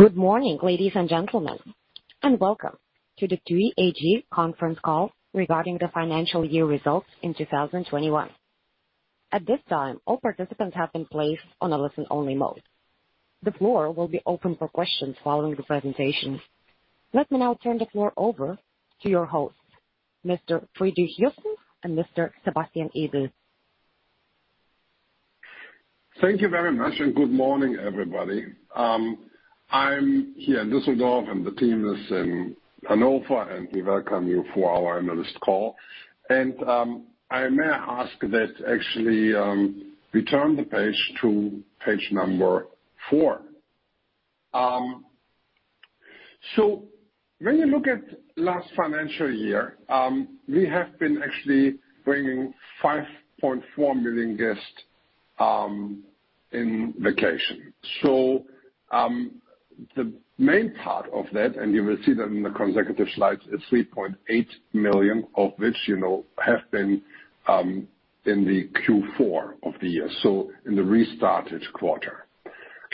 Good morning, ladies and gentlemen, and welcome to the TUI AG conference call regarding the financial year results in 2021. At this time, all participants have been placed on a listen-only mode. The floor will be open for questions following the presentations. Let me now turn the floor over to your host, Mr. Friedrich Joussen and Mr. Sebastian Ebel. Thank you very much and good morning, everybody. I'm here in Düsseldorf, and the team is in Hannover, and we welcome you for our analyst call. I may ask that actually we turn the page to page number four. When you look at last financial year, we have been actually bringing 5.4 million guests in vacation. The main part of that, and you will see that in the consecutive slides, is 3.8 million, of which, you know, have been in the Q4 of the year, so in the restarted quarter.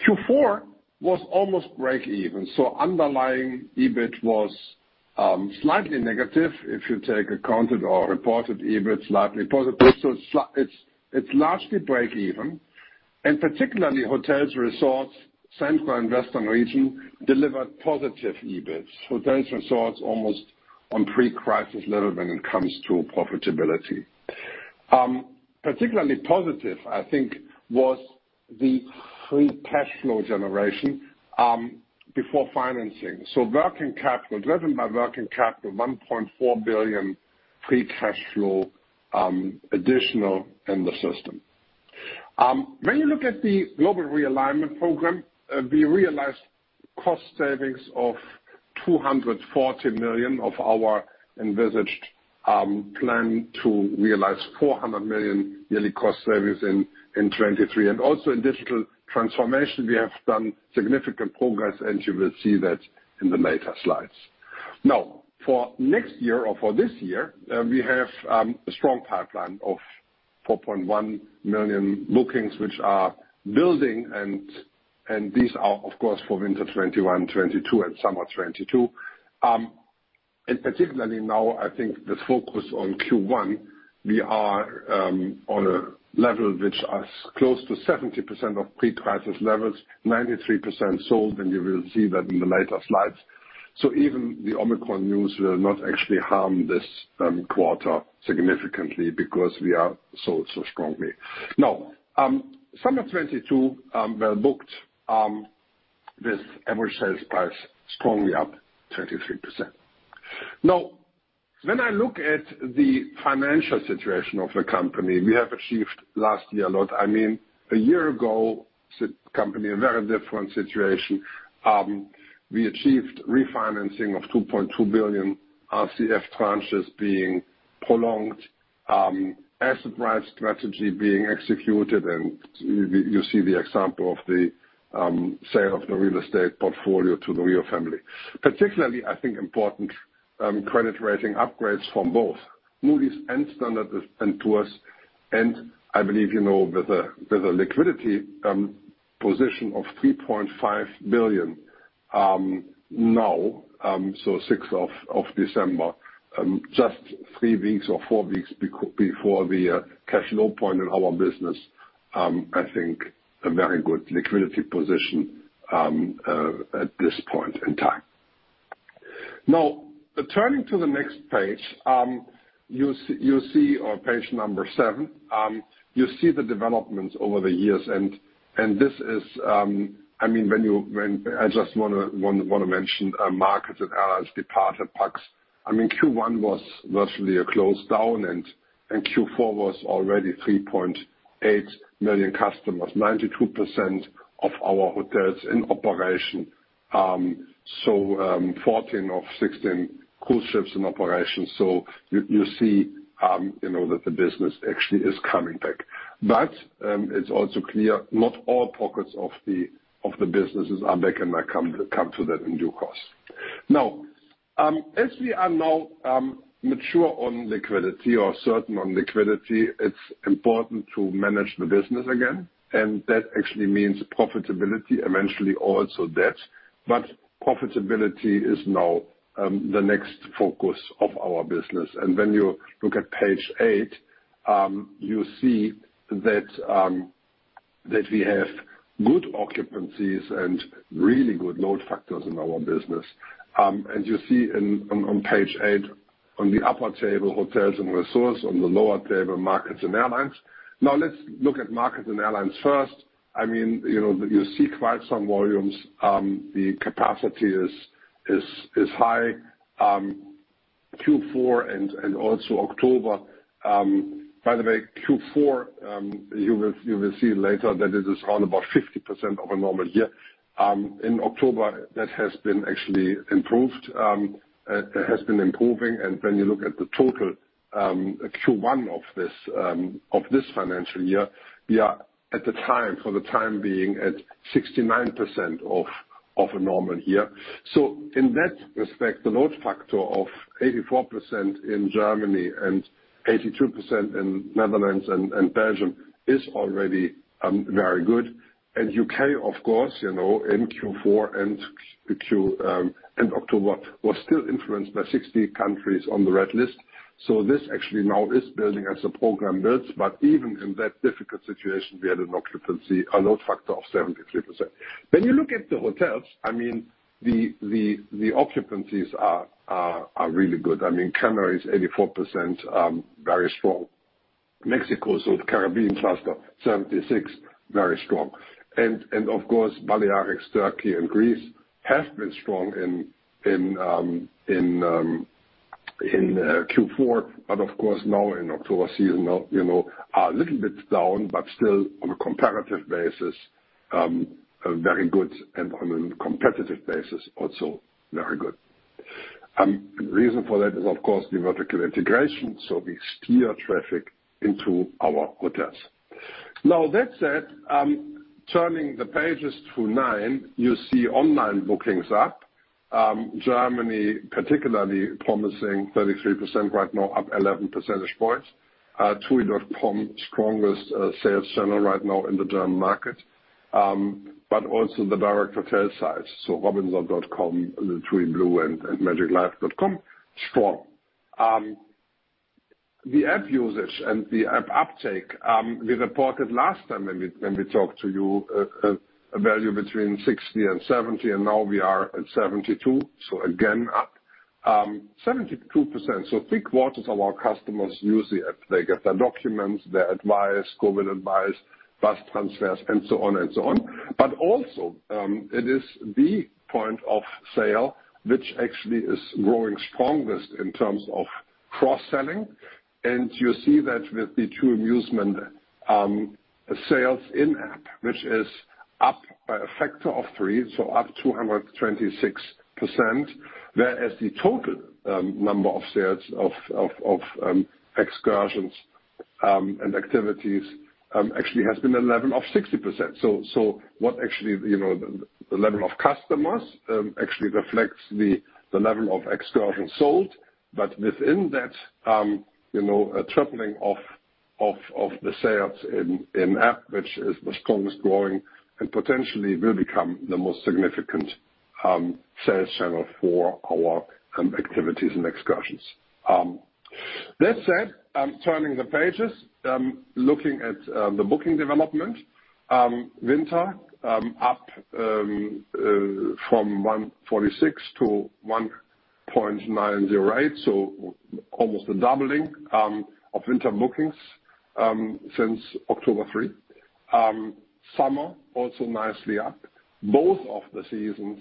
Q4 was almost break even, so underlying EBIT was slightly negative. If you take accounted or reported EBIT, slightly positive. It's largely break even, and particularly Hotels & Resorts, Central and Western Region delivered positive EBIT. Hotels & Resorts almost on pre-crisis level when it comes to profitability. Particularly positive, I think, was the free cash flow generation before financing. Driven by working capital, 1.4 billion free cash flow additional in the system. When you look at the Global Realignment Program, we realized cost savings of 240 million of our envisaged plan to realize 400 million yearly cost savings in 2023. Also in digital transformation we have done significant progress, and you will see that in the later slides. Now, for next year or for this year, we have a strong pipeline of 4.1 million bookings which are building, and these are of course for winter 2021, 2022 and summer 2022. Particularly now, I think the focus on Q1, we are on a level which is close to 70% of pre-crisis levels, 93% sold, and you will see that in the later slides. Even the Omicron news will not actually harm this quarter significantly because we are so strongly. Now, summer 2022 well booked with average sales price strongly up 33%. Now, when I look at the financial situation of the company, we have achieved last year a lot. I mean, a year ago the company in a very different situation. We achieved refinancing of 2.2 billion RCF tranches being prolonged, asset-right strategy being executed and you see the example of the sale of the real estate portfolio to the Riu family. Particularly, I think important credit rating upgrades from both Moody's and Standard & Poor's. I believe you know with the liquidity position of 3.5 billion now, as of 6th December, just three weeks or four weeks before the cash flow point in our business. I think a very good liquidity position at this point in time. Now, turning to the next page, you see on page number seven, you see the developments over the years and this is. I mean, When I just wanna mention Markets & Airlines departed pax. I mean, Q1 was virtually closed down and Q4 was already 3.8 million customers. 92% of our hotels in operation, 14 of 16 cruise ships in operation. You see, you know, that the business actually is coming back. It's also clear not all pockets of the businesses are back, and I come to that in due course. Now, as we are now mature on liquidity or certain on liquidity, it's important to manage the business again, and that actually means profitability, eventually also debt. Profitability is now the next focus of our business. When you look at page eight, you see that we have good occupancies and really good load factors in our business. You see on page eight, on the upper table, Hotels & Resorts, on the lower table, Markets & Airlines. Now let's look at Markets & Airlines first. I mean, you know, you see quite some volumes. The capacity is high. Q4 and also October. By the way, Q4, you will see later that it is around about 50% of a normal year. In October that has been actually improved. It has been improving. When you look at the total, Q1 of this financial year, we are at the time, for the time being at 69% of a normal year. In that respect, the load factor of 84% in Germany and 82% in Netherlands and Belgium is already very good. U.K, of course, you know, in Q4 and October was still influenced by 60 countries on the red list. This actually now is building as the program builds, but even in that difficult situation, we had an occupancy, a load factor of 73%. When you look at the hotels, the occupancies are really good. I mean, Canary is 84%, very strong. Mexico, so the Caribbean cluster, 76%, very strong. Of course, Balearics, Turkey and Greece have been strong in Q4. Of course, now in October season are a little bit down, but still on a comparative basis, are very good and on a competitive basis also very good. Reason for that is, of course, the vertical integration, so we steer traffic into our hotels. That said, turning the pages to nine, you see online bookings up. Germany particularly promising 33% right now, up 11 percentage points. TUI.com strongest sales channel right now in the German market. Also the direct hotel sites, so robinson.com, TUI BLUE and magiclife.com, strong. The app usage and the app uptake, we reported last time when we talked to you a value between 60 and 70, and now we are at 72. Again, up 72%. Three-quarters of our customers use the app. They get their documents, their advice, COVID advice, bus transfers and so on. Also, it is the point of sale which actually is growing strongest in terms of cross-selling. You see that with the TUI Musement sales in-app, which is up by a factor of three, so up 226%. Whereas the total number of sales of excursions and activities actually has been a level of 60%. What actually, you know, the level of customers actually reflects the level of excursions sold. But within that, you know, a tripling of the sales in-app, which is the strongest growing and potentially will become the most significant sales channel for our activities and excursions. That said, I'm turning the pages. Looking at the booking development. Winter up from 146-190.8. Almost a doubling of winter bookings since October 3. Summer also nicely up. Both of the seasons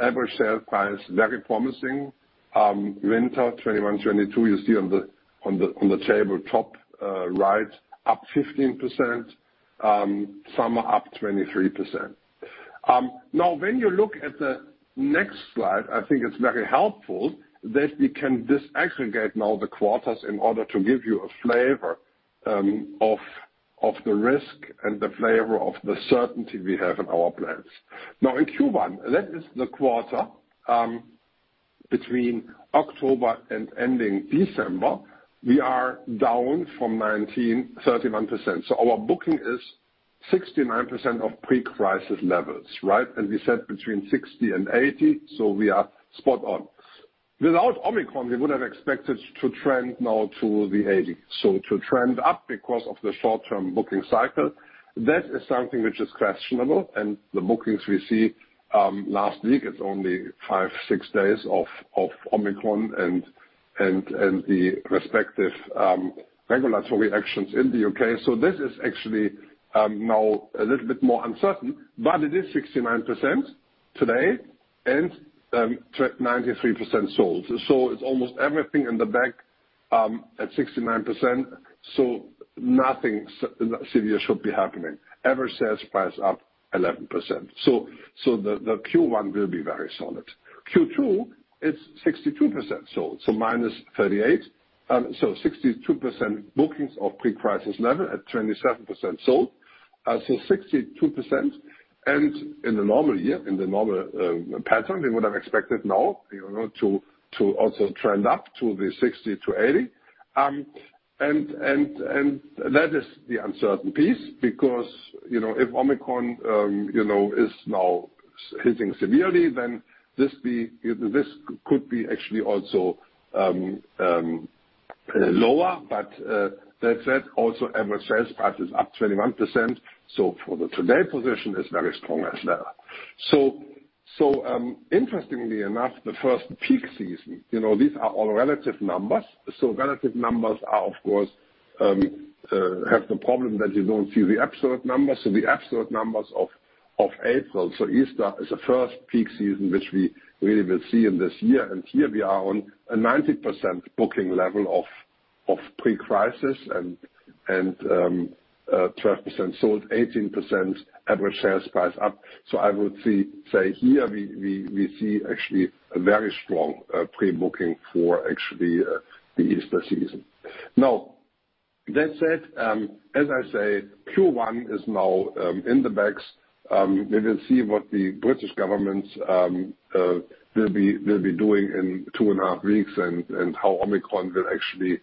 average sale price very promising. Winter 2021-2022, you see on the table top, right, up 15%. Summer up 23%. Now when you look at the next slide, I think it's very helpful that we can disaggregate now the quarters in order to give you a flavor of the risk and the flavor of the certainty we have in our plans. Now in Q1, that is the quarter between October and ending December, we are down from 2019, 31%. So our booking is 69% of pre-crisis levels, right? And we said between 60% and 80%, so we are spot on. Without Omicron, we would have expected to trend now to the 80%. So to trend up because of the short-term booking cycle. That is something which is questionable. The bookings we see last week, it's only five, six days of Omicron and the respective regulatory actions in the U.K. This is actually now a little bit more uncertain, but it is 69% today and 93% sold. It's almost everything in the bank at 69%. Nothing severe should be happening. Average sales price up 11%. The Q1 will be very solid. Q2, it's 62% sold, so -38%. 62% bookings of pre-crisis level at 27% sold. 62%. In the normal year, in the normal pattern, we would have expected now, you know, to also trend up to the 60%-80%. That is the uncertain piece because, you know, if Omicron, you know, is now hitting severely, then this could be actually also lower. That said, also average sales price is up 21%, so the today position is very strong as well. Interestingly enough, the first peak season, you know, these are all relative numbers. Relative numbers are of course have the problem that you don't see the absolute numbers. The absolute numbers of April, so Easter is the first peak season which we really will see in this year. Here we are on a 90% booking level of pre-crisis and 12% sold, 18% average sales price up. I would say here we see actually a very strong pre-booking for actually the Easter season. That said, as I say, Q1 is now in the bag. We will see what the British government will be doing in two and a half weeks and how Omicron will actually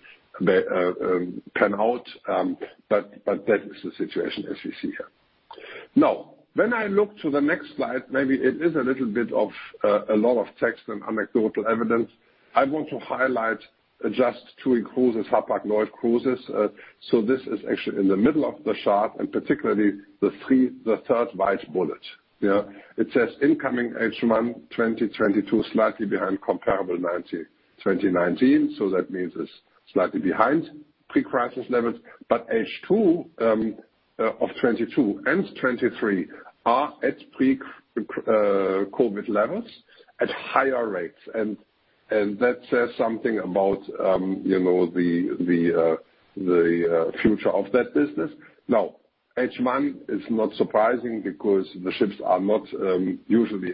pan out. That is the situation as you see here. When I look to the next slide, maybe it is a little bit of a lot of text and anecdotal evidence. I want to highlight just TUI Cruises and Hapag-Lloyd Cruises. This is actually in the middle of the chart, and particularly the third white bullet. Yeah? It says incoming H1 2022 slightly behind comparable 2019. That means it's slightly behind pre-crisis levels. H2 of 2022 and 2023 are at pre-COVID levels at higher rates. That says something about the future of that business. Now, H1 is not surprising because the ships are usually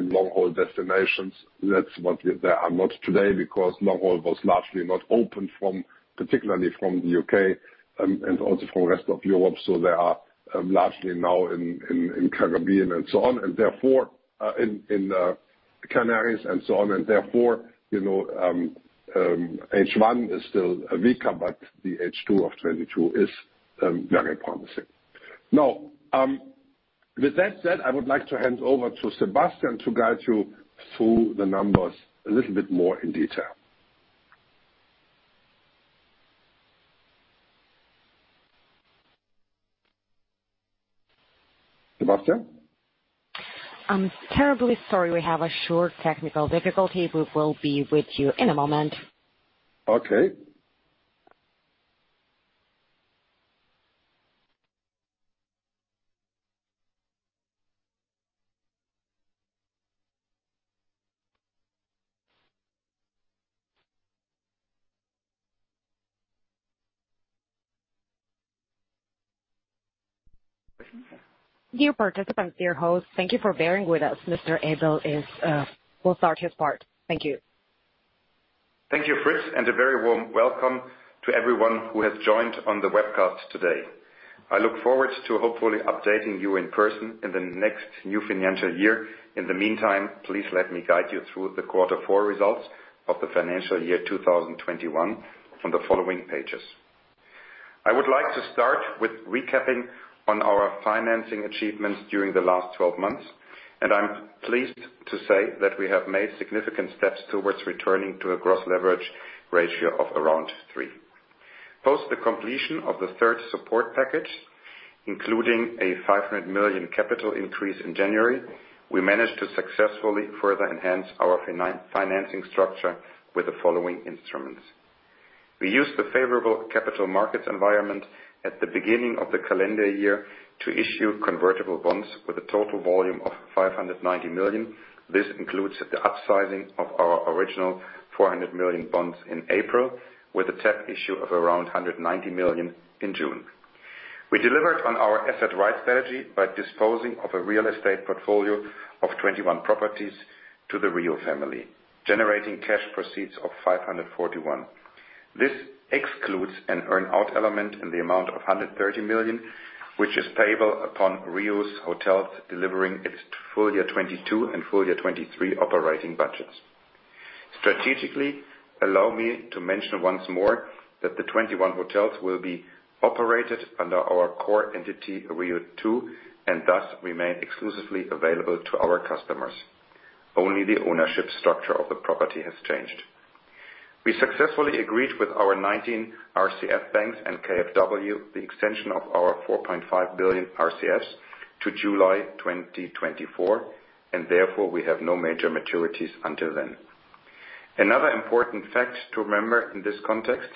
in long-haul destinations. That's what they are not today because long-haul was largely not open from, particularly from the U.K. and also from rest of Europe. They are largely now in Caribbean and so on, and therefore in the Canaries and so on. Therefore, H1 is still weaker, but the H2 of 2022 is very promising. Now, with that said, I would like to hand over to Sebastian to guide you through the numbers a little bit more in detail. Sebastian? I'm terribly sorry. We have a short technical difficulty. We will be with you in a moment. Okay. Dear participants, dear hosts, thank you for bearing with us. Mr. Ebel will start his part. Thank you. Thank you, Friedrich, and a very warm welcome to everyone who has joined on the webcast today. I look forward to hopefully updating you in person in the next new financial year. In the meantime, please let me guide you through the quarter four results of the financial year 2021 from the following pages. I would like to start with recapping on our financing achievements during the last 12 months, and I'm pleased to say that we have made significant steps towards returning to a gross leverage ratio of around three. Post the completion of the third support package, including a 500 million capital increase in January, we managed to successfully further enhance our financing structure with the following instruments. We used the favorable capital markets environment at the beginning of the calendar year to issue convertible bonds with a total volume of 590 million. This includes the upsizing of our original 400 million bonds in April with a tap issue of around 190 million in June. We delivered on our asset-right strategy by disposing of a real estate portfolio of 21 properties to the RIU family, generating cash proceeds of 541 million. This excludes an earn-out element in the amount of 130 million, which is payable upon RIU's hotels delivering its full year 2022 and full year 2023 operating budgets. Strategically, allow me to mention once more that the 21 hotels will be operated under our core entity, RIU, too, and thus remain exclusively available to our customers. Only the ownership structure of the property has changed. We successfully agreed with our 19 RCF banks and KfW the extension of our 4.5 billion RCFs to July 2024, and therefore we have no major maturities until then. Another important fact to remember in this context,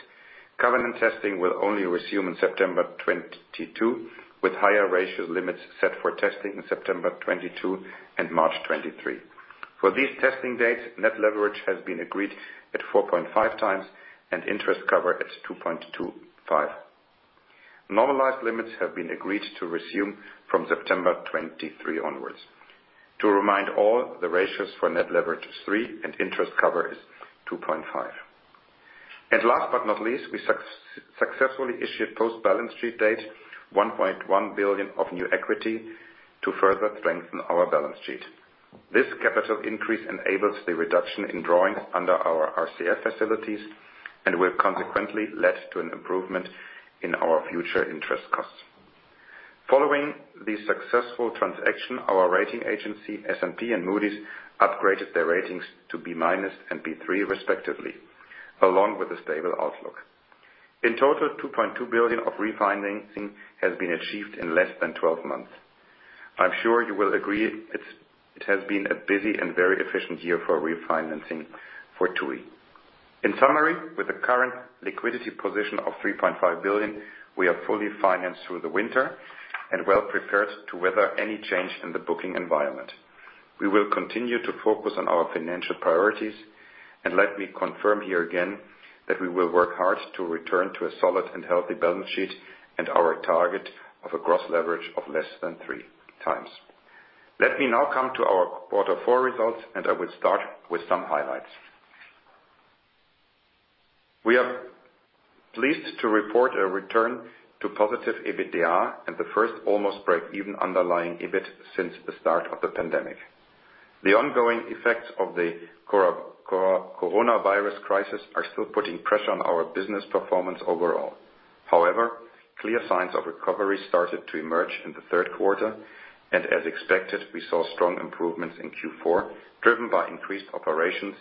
covenant testing will only resume in September 2022, with higher ratio limits set for testing in September 2022 and March 2023. For these testing dates, net leverage has been agreed at 4.5x and interest cover at 2.25. Normalized limits have been agreed to resume from September 2023 onwards. To remind all, the ratios for net leverage is 3x and interest cover is 2.5. Last but not least, we successfully issued post-balance sheet date 1.1 billion of new equity to further strengthen our balance sheet. This capital increase enables the reduction in drawings under our RCF facilities and will consequently lead to an improvement in our future interest costs. Following the successful transaction, our rating agency, S&P and Moody's, upgraded their ratings to B- and B3 respectively, along with a stable outlook. In total, 2.2 billion of refinancing has been achieved in less than 12 months. I'm sure you will agree it has been a busy and very efficient year for refinancing for TUI. In summary, with the current liquidity position of 3.5 billion, we are fully financed through the winter and well prepared to weather any change in the booking environment. We will continue to focus on our financial priorities, and let me confirm here again that we will work hard to return to a solid and healthy balance sheet and our target of a gross leverage of less than 3x. Let me now come to our quarter four results, and I will start with some highlights. We are pleased to report a return to positive EBITDA and the first almost break-even underlying EBIT since the start of the pandemic. The ongoing effects of the coronavirus crisis are still putting pressure on our business performance overall. However, clear signs of recovery started to emerge in the third quarter, and as expected, we saw strong improvements in Q4, driven by increased operations,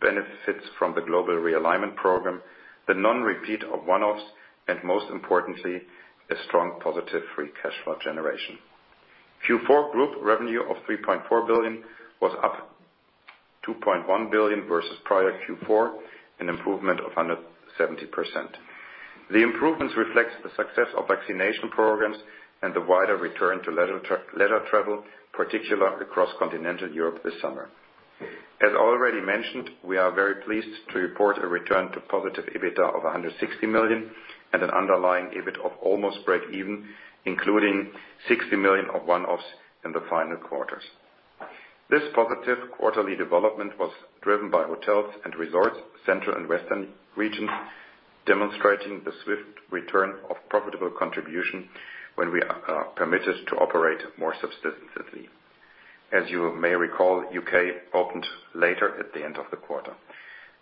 benefits from the Global Realignment Program, the non-repeat of one-offs, and most importantly, a strong positive free cash flow generation. Q4 group revenue of 3.4 billion was up 2.1 billion versus prior Q4, an improvement of 170%. The improvement reflects the success of vaccination programs and the wider return to leisure travel, particularly across continental Europe this summer. As already mentioned, we are very pleased to report a return to positive EBITDA of 160 million and an underlying EBIT of almost break even, including 60 million of one-offs in the final quarter. This positive quarterly development was driven by Hotels & Resorts, Central and Western regions, demonstrating the swift return of profitable contribution when we are permitted to operate more substantively. As you may recall, U.K. opened later at the end of the quarter.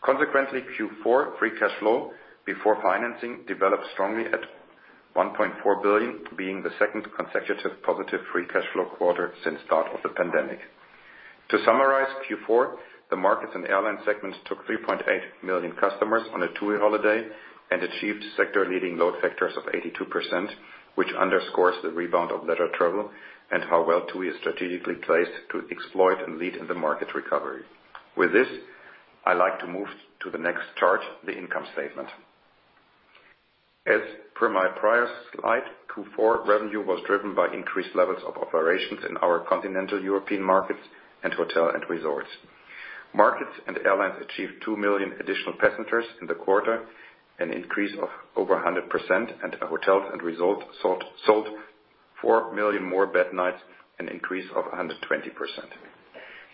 Consequently, Q4 free cash flow before financing developed strongly at 1.4 billion, being the second consecutive positive free cash flow quarter since start of the pandemic. To summarize Q4, the Markets & Airlines segment took 3.8 million customers on a TUI holiday and achieved sector-leading load factors of 82%, which underscores the rebound of leisure travel and how well TUI is strategically placed to exploit and lead in the market recovery. With this, I like to move to the next chart, the income statement. As per my prior slide, Q4 revenue was driven by increased levels of operations in our continental European markets and Hotels & Resorts. Markets & Airlines achieved two million additional passengers in the quarter, an increase of over 100%, and our Hotels & Resorts sold four million more bed nights, an increase of 120%.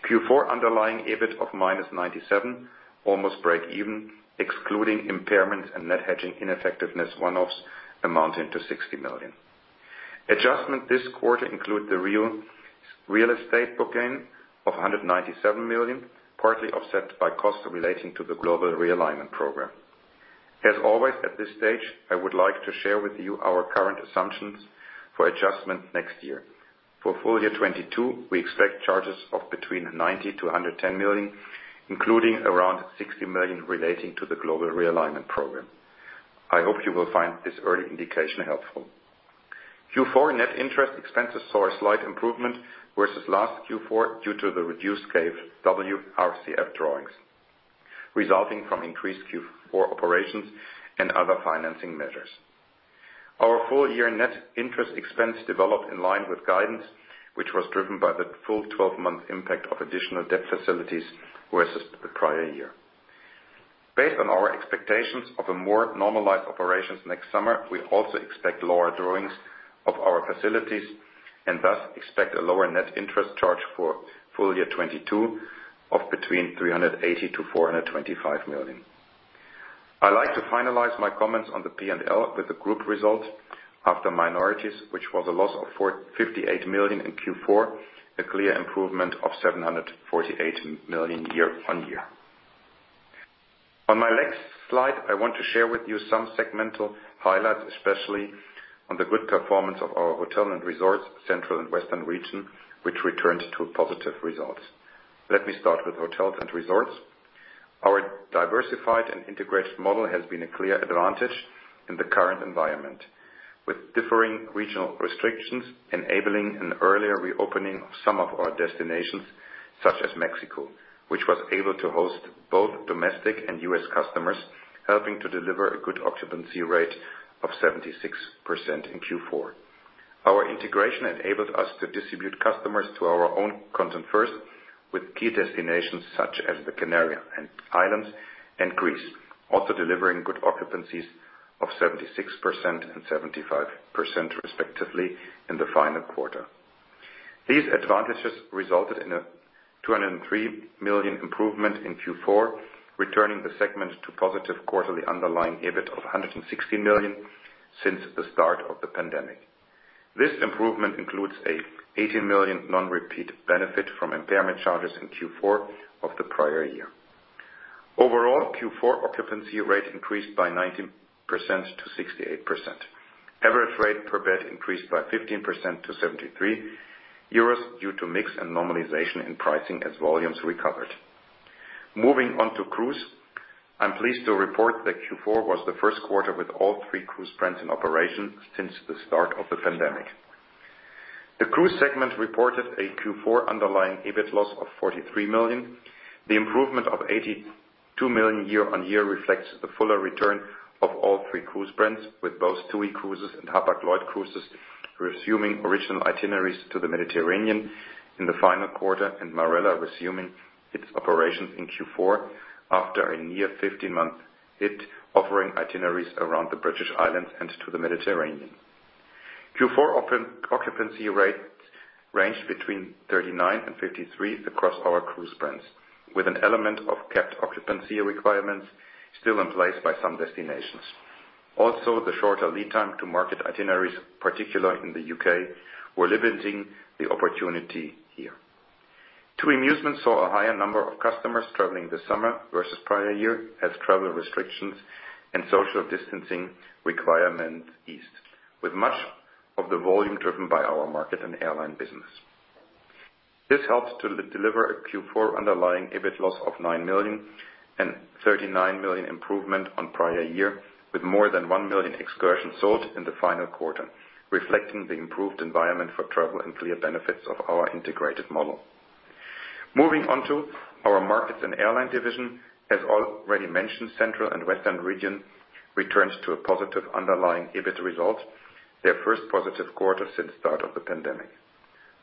Q4 underlying EBIT of -97, almost break even, excluding impairment and net hedging ineffectiveness one-offs amounting to 60 million. Adjustments this quarter include the real estate book gain of 197 million, partly offset by costs relating to the global realignment program. As always, at this stage, I would like to share with you our current assumptions for adjustment next year. For full year 2022, we expect charges of between 90 million and 110 million, including around 60 million relating to the global realignment program. I hope you will find this early indication helpful. Q4 net interest expenses saw a slight improvement versus last Q4 due to the reduced KfW RCF drawings, resulting from increased Q4 operations and other financing measures. Our full year net interest expense developed in line with guidance, which was driven by the full 12-month impact of additional debt facilities versus the prior year. Based on our expectations of a more normalized operations next summer, we also expect lower drawings of our facilities and thus expect a lower net interest charge for full year 2022 of between 380 million and 425 million. I like to finalize my comments on the P&L with the group results after minorities, which was a loss of 458 million in Q4, a clear improvement of 748 million year-on-year. On my next slide, I want to share with you some segmental highlights, especially on the good performance of our Hotels & Resorts, Central and Western Region, which returned to positive results. Let me start with Hotels & Resorts. Our diversified and integrated model has been a clear advantage in the current environment, with differing regional restrictions enabling an earlier reopening of some of our destinations, such as Mexico, which was able to host both domestic and U.S. customers, helping to deliver a good occupancy rate of 76% in Q4. Our integration enabled us to distribute customers to our own content first with key destinations such as the Canary Islands and Greece, also delivering good occupancies of 76% and 75% respectively in the final quarter. These advantages resulted in a 203 million improvement in Q4, returning the segment to positive quarterly underlying EBIT of 160 million since the start of the pandemic. This improvement includes an 80 million non-repeat benefit from impairment charges in Q4 of the prior year. Overall, Q4 occupancy rate increased by 19%-68%. Average rate per bed increased by 15% to 73 euros due to mix and normalization in pricing as volumes recovered. Moving on to cruise, I'm pleased to report that Q4 was the first quarter with all three cruise brands in operation since the start of the pandemic. The cruise segment reported a Q4 underlying EBIT loss of 43 million. The improvement of 82 million year-on-year reflects the fuller return of all three cruise brands with both TUI Cruises and Hapag-Lloyd Cruises resuming original itineraries to the Mediterranean in the final quarter and Marella resuming its operations in Q4 after a near 15-month hit, offering itineraries around the British Isles and to the Mediterranean. Q4 occupancy rate ranged between 39% and 53% across our cruise brands, with an element of capped occupancy requirements still in place by some destinations. The shorter lead time to market itineraries, particularly in the U.K., were limiting the opportunity here. TUI Musement saw a higher number of customers traveling this summer versus prior year as travel restrictions and social distancing requirements eased, with much of the volume driven by our Markets and Airlines business. This helped to deliver a Q4 underlying EBIT loss of 9 million and 39 million improvement on prior year, with more than 1 million excursions sold in the final quarter, reflecting the improved environment for travel and clear benefits of our integrated model. Moving on to our Markets and Airlines division. As already mentioned, Central and Western Region returns to a positive underlying EBIT result, their first positive quarter since start of the pandemic.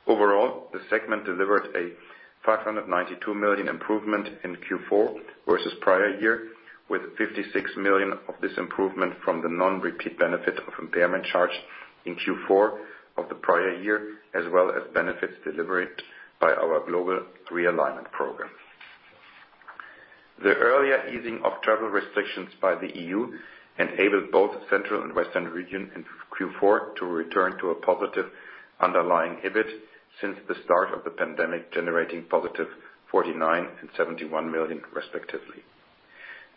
Overall, the segment delivered a 592 million improvement in Q4 versus prior year, with 56 million of this improvement from the non-repeat benefit of impairment charge in Q4 of the prior year, as well as benefits delivered by our Global Realignment Program. The earlier easing of travel restrictions by the EU enabled both Central Region and Western Region in Q4 to return to a positive underlying EBIT since the start of the pandemic, generating positive 49 million and 71 million respectively.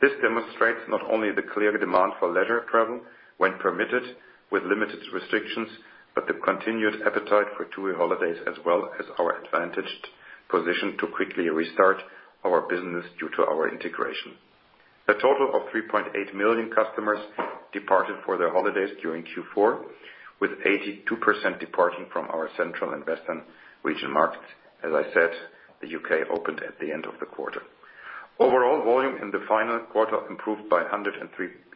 This demonstrates not only the clear demand for leisure travel when permitted with limited restrictions, but the continued appetite for TUI holidays as well as our advantaged position to quickly restart our business due to our integration. A total of 3.8 million customers departed for their holidays during Q4, with 82% departing from our Central Region and Western Region markets. As I said, the U.K. opened at the end of the quarter. Overall volume in the final quarter improved by 103%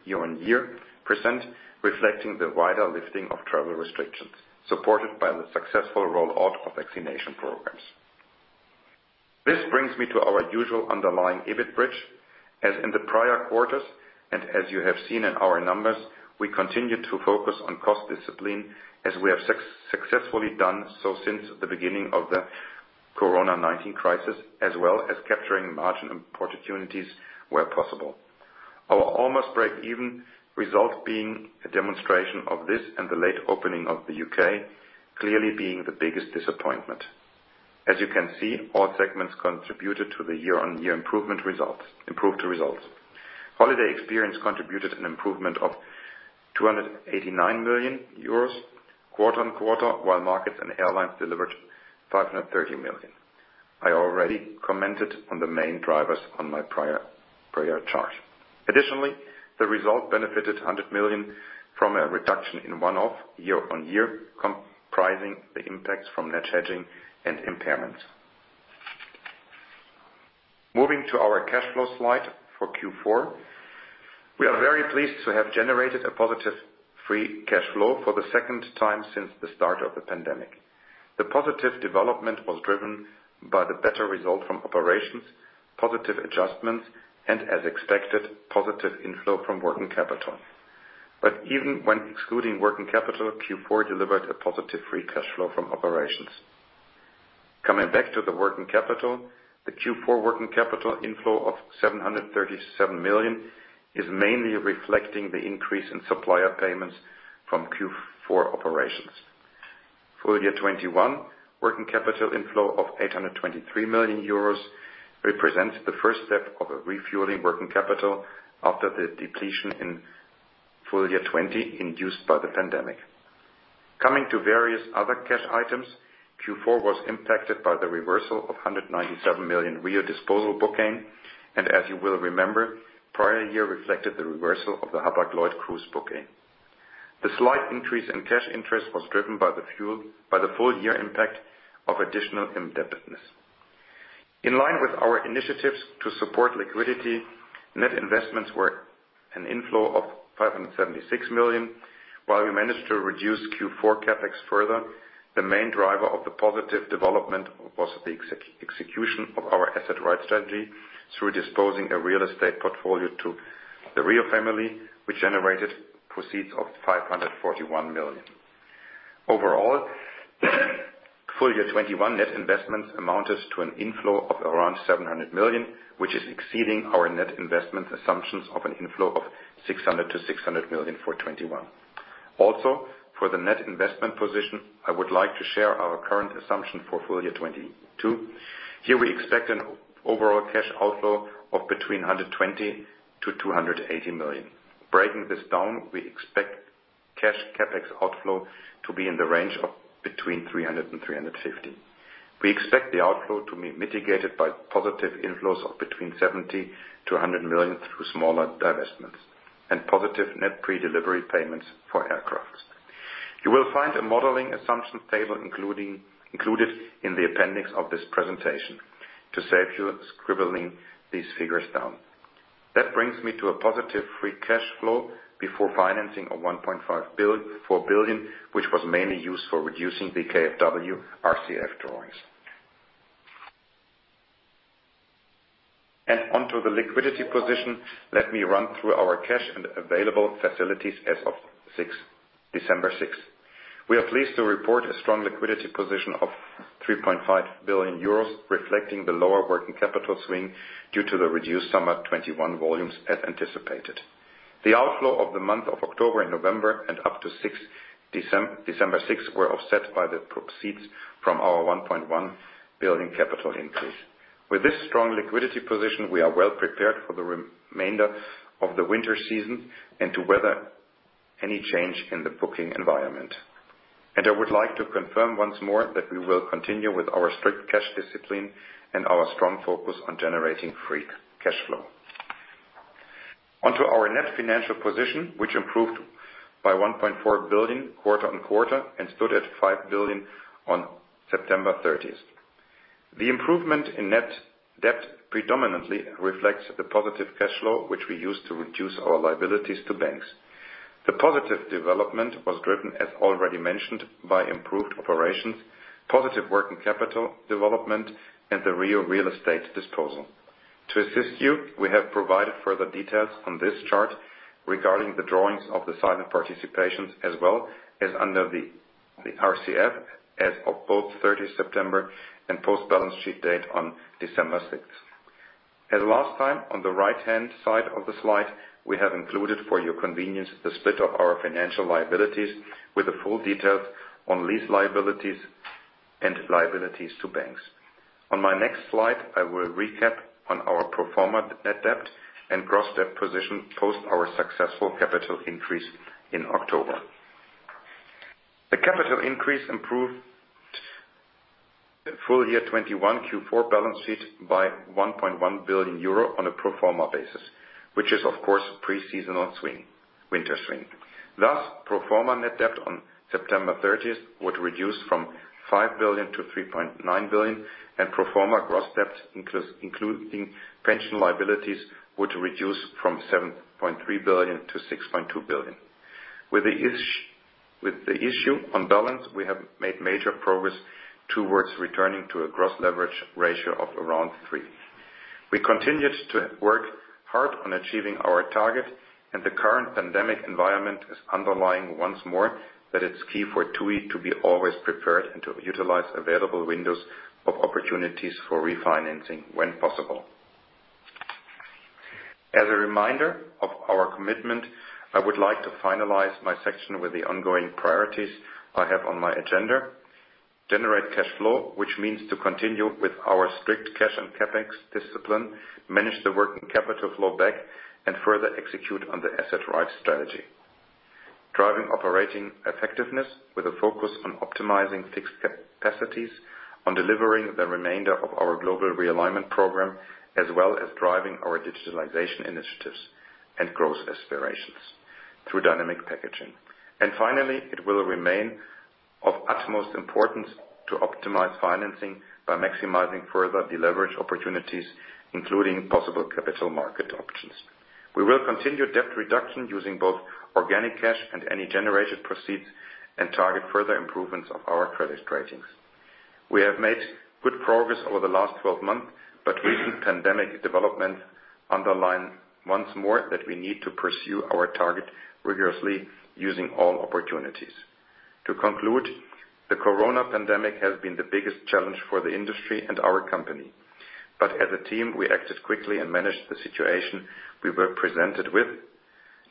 year-on-year, reflecting the wider lifting of travel restrictions supported by the successful rollout of vaccination programs. This brings me to our usual underlying EBIT bridge. As in the prior quarters, and as you have seen in our numbers, we continue to focus on cost discipline as we have successfully done so since the beginning of the COVID-19 crisis, as well as capturing margin opportunities where possible. Our almost break-even result being a demonstration of this and the late opening of the U.K. clearly being the biggest disappointment. As you can see, all segments contributed to the year-on-year improved results. Holiday Experiences contributed an improvement of 289 million euros quarter on quarter, while Markets & Airlines delivered 530 million. I already commented on the main drivers on my prior chart. Additionally, the result benefited 100 million from a reduction in one-off year-on-year, comprising the impacts from net hedging and impairment. Moving to our cash flow slide for Q4. We are very pleased to have generated a positive free cash flow for the second time since the start of the pandemic. The positive development was driven by the better result from operations, positive adjustments and as expected, positive inflow from working capital. Even when excluding working capital, Q4 delivered a positive free cash flow from operations. Coming back to the working capital, the Q4 working capital inflow of 737 million is mainly reflecting the increase in supplier payments from Q4 operations. Full year 2021 working capital inflow of 823 million euros represents the first step of a refueling working capital after the depletion in full year 2020 induced by the pandemic. Coming to various other cash items, Q4 was impacted by the reversal of 197 million Riu disposal booking and as you will remember, prior year reflected the reversal of the Hapag-Lloyd Cruises booking. The slight increase in cash interest was driven by the full year impact of additional indebtedness. In line with our initiatives to support liquidity, net investments were an inflow of 576 million, while we managed to reduce Q4 CapEx further. The main driver of the positive development was the execution of our asset-right strategy through disposing a real estate portfolio to the Riu family, which generated proceeds of 541 million. Overall, full year 2021 net investments amounted to an inflow of around 700 million, which is exceeding our net investment assumptions of an inflow of 600 million-600 million for 2021. Also, for the net investment position, I would like to share our current assumption for full year 2022. Here we expect an overall cash outflow of between 120 million-280 million. Breaking this down, we expect cash CapEx outflow to be in the range of between 300 million-350 million. We expect the outflow to be mitigated by positive inflows of between 70 million-100 million through smaller divestments and positive net pre-delivery payments for aircraft. You will find a modeling assumption table included in the appendix of this presentation to save you scribbling these figures down. That brings me to a positive free cash flow before financing of 4 billion, which was mainly used for reducing the KfW RCF drawings. Onto the liquidity position, let me run through our cash and available facilities as of December 6. We are pleased to report a strong liquidity position of 3.5 billion euros, reflecting the lower working capital swing due to the reduced summer 2021 volumes as anticipated. The outflow of the month of October and November and up to December 6 were offset by the proceeds from our 1.1 billion capital increase. With this strong liquidity position, we are well prepared for the remainder of the winter season and to weather any change in the booking environment. I would like to confirm once more that we will continue with our strict cash discipline and our strong focus on generating free cash flow. Onto our net financial position, which improved by 1.4 billion quarter-over-quarter and stood at 5 billion on September 30. The improvement in net debt predominantly reflects the positive cash flow, which we use to reduce our liabilities to banks. The positive development was driven, as already mentioned, by improved operations, positive working capital development and the Riu real estate disposal. To assist you, we have provided further details on this chart regarding the drawings of the silent participations as well as under the RCF as of both September 30 and post-balance sheet date on December 6. As last time, on the right-hand side of the slide, we have included for your convenience the split of our financial liabilities with the full details on lease liabilities and liabilities to banks. On my next slide, I will recap on our pro forma net debt and gross debt position post our successful capital increase in October. The capital increase improved the full year 2021 Q4 balance sheet by 1.1 billion euro on a pro forma basis, which is of course pre-seasonal swing, winter swing. Thus, pro forma net debt on September 30 would reduce from 5 billion-3.9 billion, and pro forma gross debt including pension liabilities would reduce from 7.3 billion-6.2 billion. With the issue on balance, we have made major progress towards returning to a gross leverage ratio of around three. We continued to work hard on achieving our target, and the current pandemic environment is underlining once more that it's key for TUI to be always prepared and to utilize available windows of opportunity for refinancing when possible. As a reminder of our commitment, I would like to finalize my section with the ongoing priorities I have on my agenda. Generate cash flow, which means to continue with our strict cash and CapEx discipline, manage the working capital flow back and further execute on the asset-right strategy. Driving operating effectiveness with a focus on optimizing fixed capacities, on delivering the remainder of our global realignment program, as well as driving our digitalization initiatives and growth aspirations through dynamic packaging. Finally, it will remain of utmost importance to optimize financing by maximizing further deleverage opportunities, including possible capital market options. We will continue debt reduction using both organic cash and any generated proceeds and target further improvements of our credit ratings. We have made good progress over the last 12-months, but recent pandemic developments underline once more that we need to pursue our target rigorously using all opportunities. To conclude, the corona pandemic has been the biggest challenge for the industry and our company. As a team, we acted quickly and managed the situation we were presented with,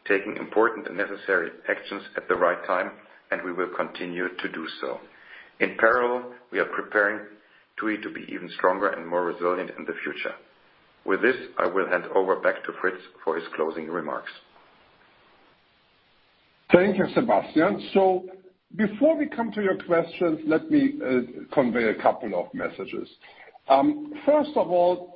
taking important and necessary actions at the right time, and we will continue to do so. In parallel, we are preparing TUI to be even stronger and more resilient in the future. With this, I will hand over back to Friedrich for his closing remarks. Thank you, Sebastian. Before we come to your questions, let me convey a couple of messages. First of all,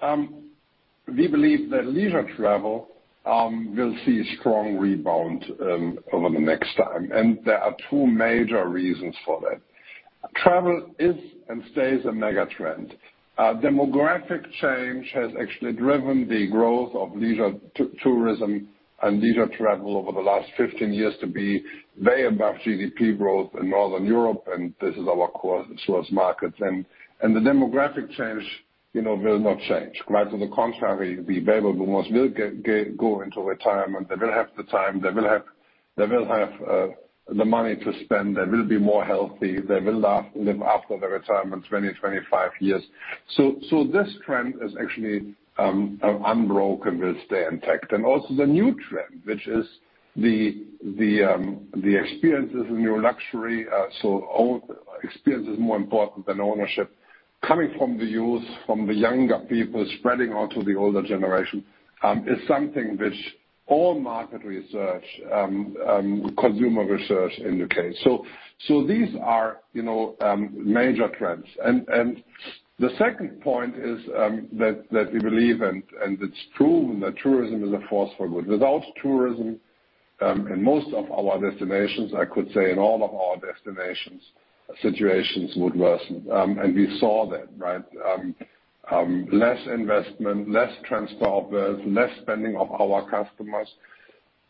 we believe that leisure travel will see a strong rebound over the next time. There are two major reasons for that. Travel is and stays a mega trend. Demographic change has actually driven the growth of leisure tourism and leisure travel over the last 15 years to be way above GDP growth in Northern Europe, and this is our core source market. The demographic change, you know, will not change. Quite to the contrary, the baby boomers will go into retirement. They will have the time, they will have the money to spend, they will be more healthy, they will live after their retirement 20-25 years. This trend is actually unbroken, will stay intact. Also the new trend, which is the experience over luxury. Experience is more important than ownership. Coming from the youth, from the younger people spreading on to the older generation, is something which all market research, consumer research indicates. These are, you know, major trends. The second point is that we believe and it's true that tourism is a force for good. Without tourism, in most of our destinations, I could say in all of our destinations, situations would worsen. We saw that, right? Less investment, less transport worth, less spending of our customers.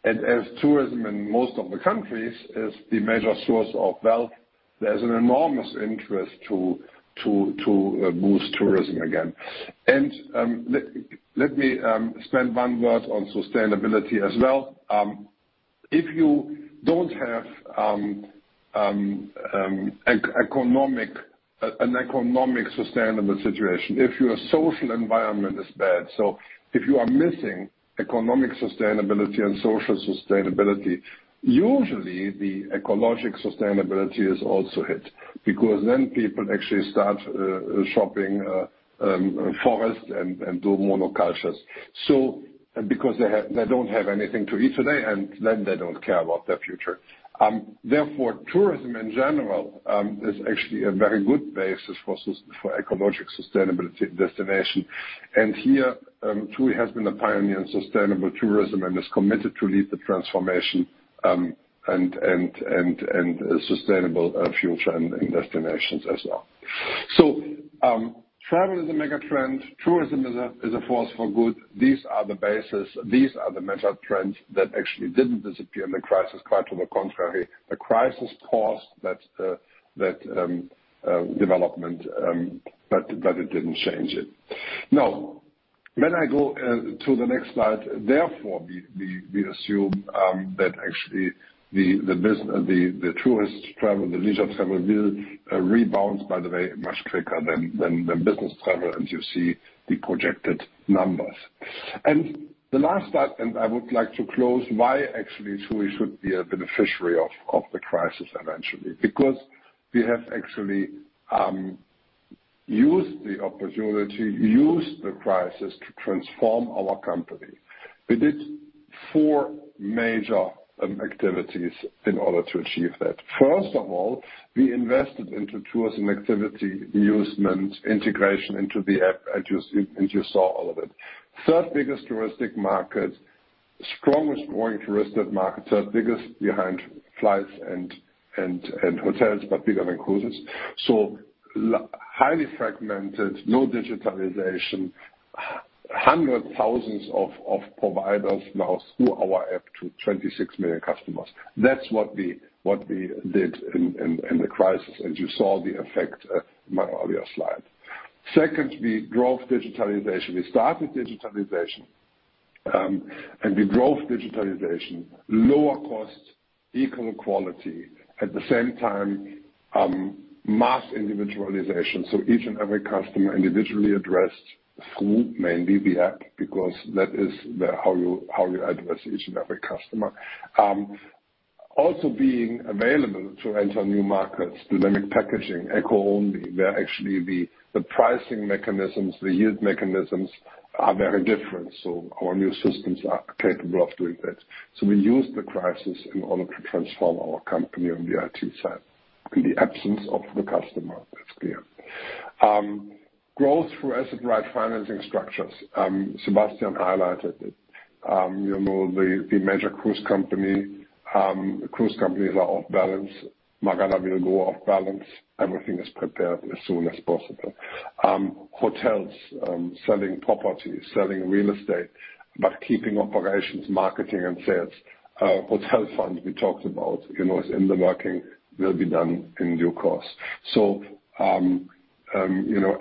As tourism in most of the countries is the major source of wealth, there's an enormous interest to boost tourism again. Let me spend one word on sustainability as well. If you don't have an economic sustainable situation, if your social environment is bad, so if you are missing economic sustainability and social sustainability, usually the ecological sustainability is also hit. Because then people actually start chopping forest and do monocultures. Because they don't have anything to eat today, and then they don't care about their future. Therefore tourism in general is actually a very good basis for ecological sustainability destination. Here, TUI has been a pioneer in sustainable tourism and is committed to lead the transformation, and sustainable future and destinations as well. Travel is a mega trend. Tourism is a force for good. These are the basis, these are the mega trends that actually didn't disappear in the crisis. Quite to the contrary, the crisis caused that development, but it didn't change it. Now, when I go to the next slide, therefore we assume that actually the tourist travel, the leisure travel will rebound by the way, much quicker than the business travel. You see the projected numbers. The last item I would like to close, why actually TUI should be a beneficiary of the crisis eventually. Because we have actually used the opportunity, used the crisis to transform our company. We did four major activities in order to achieve that. First of all, we invested into TUI Musement integration into the app as you saw all of it. Third biggest touristic market. Strongest growing touristic market. Third biggest behind flights and hotels, but bigger than cruises. So highly fragmented, no digitalization, hundreds of thousands of providers now through our app to 26 million customers. That's what we did in the crisis, and you saw the effect in my earlier slide. Second, we drove digitalization. We started digitalization and we drove digitalization. Lower cost, equal quality. At the same time, mass individualization, so each and every customer individually addressed through mainly the app, because that is how you address each and every customer. Also being available to enter new markets. Dynamic packaging, accom-only, where actually the pricing mechanisms, the yield mechanisms are very different. Our new systems are capable of doing that. We used the crisis in order to transform our company on the IT side in the absence of the customer. That's clear. Growth through asset-right financing structures. Sebastian highlighted it. You know, the major cruise company. Cruise companies are off-balance. Marella will go off-balance. Everything is prepared as soon as possible. Hotels, selling properties, selling real estate, but keeping operations, marketing and sales. Hotel funds we talked about, you know, is in the works, will be done in due course.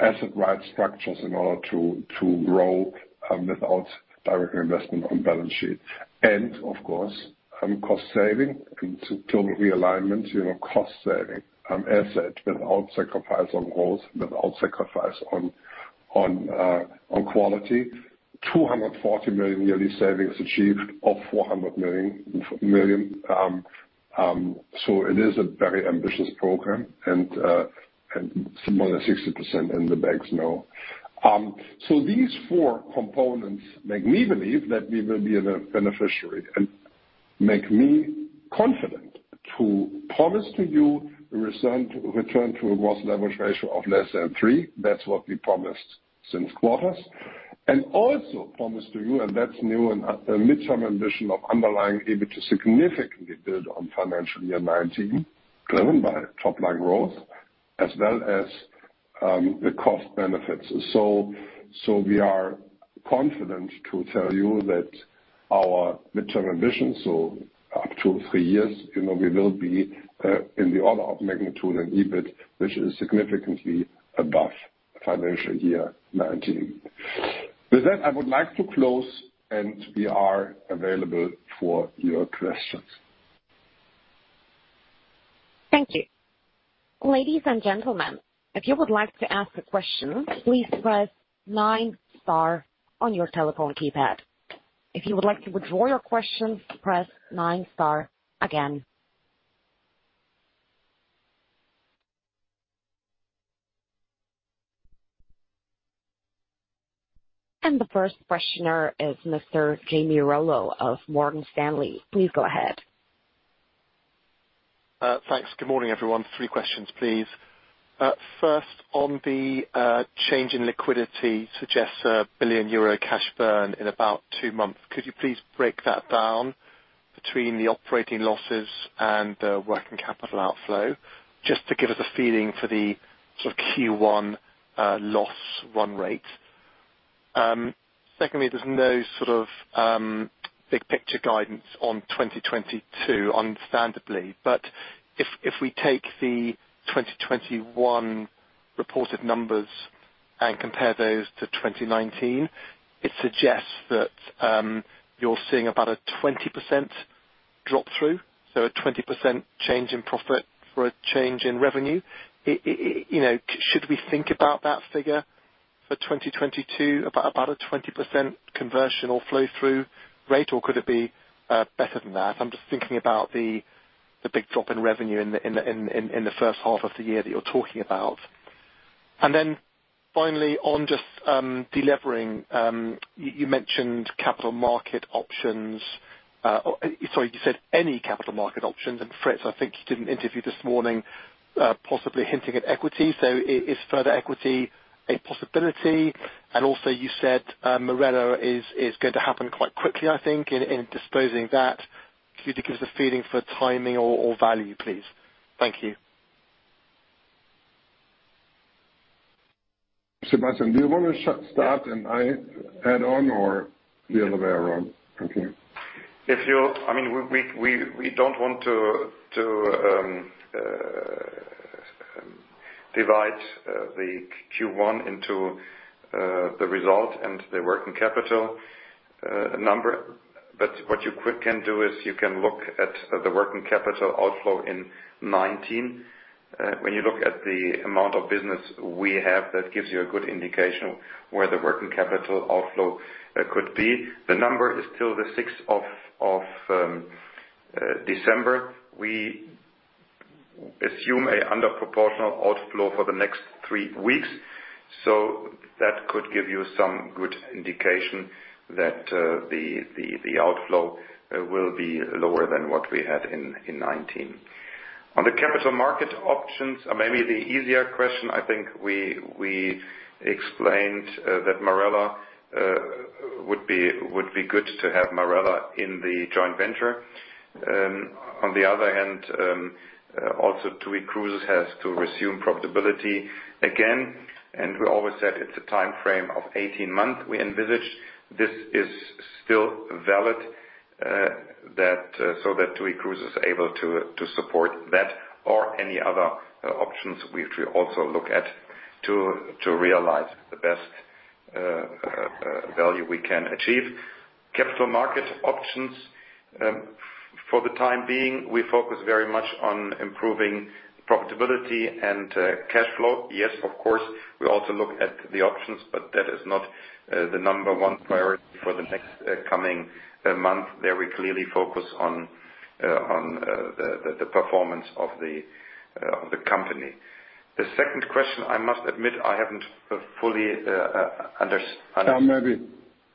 Asset-light structures in order to grow without direct investment on balance sheet. Of course, cost saving and global realignment. You know, cost saving, asset without sacrifice on growth, without sacrifice on quality. 240 million yearly savings achieved of 400 million. It is a very ambitious program and. [unintelligible] These four components make me believe that we will be a beneficiary and make me confident to promise to you a resounding return to a gross leverage ratio of less than three. That's what we promised since quarters. Also a promise to you, and that's new and a midterm ambition of underlying EBITA significantly built on financial year 2019, driven by top-line growth as well as the cost benefits. We are confident to tell you that our midterm ambition, up to three years, you know, we will be in the order of magnitude in EBIT, which is significantly above financial year 2019. With that, I would like to close, and we are available for your questions. Thank you. Ladies and gentlemen, if you would like to ask a question, please press nine star on your telephone keypad. If you would like to withdraw your question, press nine star again. The first questioner is Mr. Jamie Rollo of Morgan Stanley. Please go ahead. Thanks. Good morning, everyone. Three questions, please. First, on the change in liquidity suggests a 1 billion euro cash burn in about two months. Could you please break that down between the operating losses and the working capital outflow, just to give us a feeling for the sort of Q1 loss run rate? Secondly, there's no sort of big picture guidance on 2022, understandably. If we take the 2021 reported numbers and compare those to 2019, it suggests that you're seeing about a 20% drop-through, so a 20% change in profit for a change in revenue. You know, should we think about that figure for 2022, about a 20% conversion or flow-through rate, or could it be better than that? I'm just thinking about the big drop in revenue in the first half of the year that you're talking about. Finally, on just delivering, you mentioned capital market options. Sorry, you said any capital market options. Friedrich, I think, did an interview this morning, possibly hinting at equity. Is further equity a possibility? Also, you said, Marella is going to happen quite quickly, I think, in disposing that. Could you give us a feeling for timing or value, please? Thank you. Sebastian, do you wanna start and I add on, or the other way around? Okay. I mean, we don't want to divide the Q1 into the result and the working capital number. What you can quickly do is you can look at the working capital outflow in 2019. When you look at the amount of business we have, that gives you a good indication where the working capital outflow could be. The number is till the sixth of December. We assume an under proportional outflow for the next three weeks. That could give you some good indication that the outflow will be lower than what we had in 2019. On the capital market options, maybe the easier question, I think we explained that Marella would be good to have Marella in the joint venture. On the other hand, also TUI Cruises has to resume profitability again. We always said it's a timeframe of 18-months we envisaged. This is still valid that so that TUI Cruises is able to support that or any other options which we also look at to realize the best value we can achieve. Capital market options, for the time being, we focus very much on improving profitability and cash flow. Yes, of course, we also look at the options, but that is not the number one priority for the next coming month. There we clearly focus on the performance of the company. The second question, I must admit, I haven't fully unders-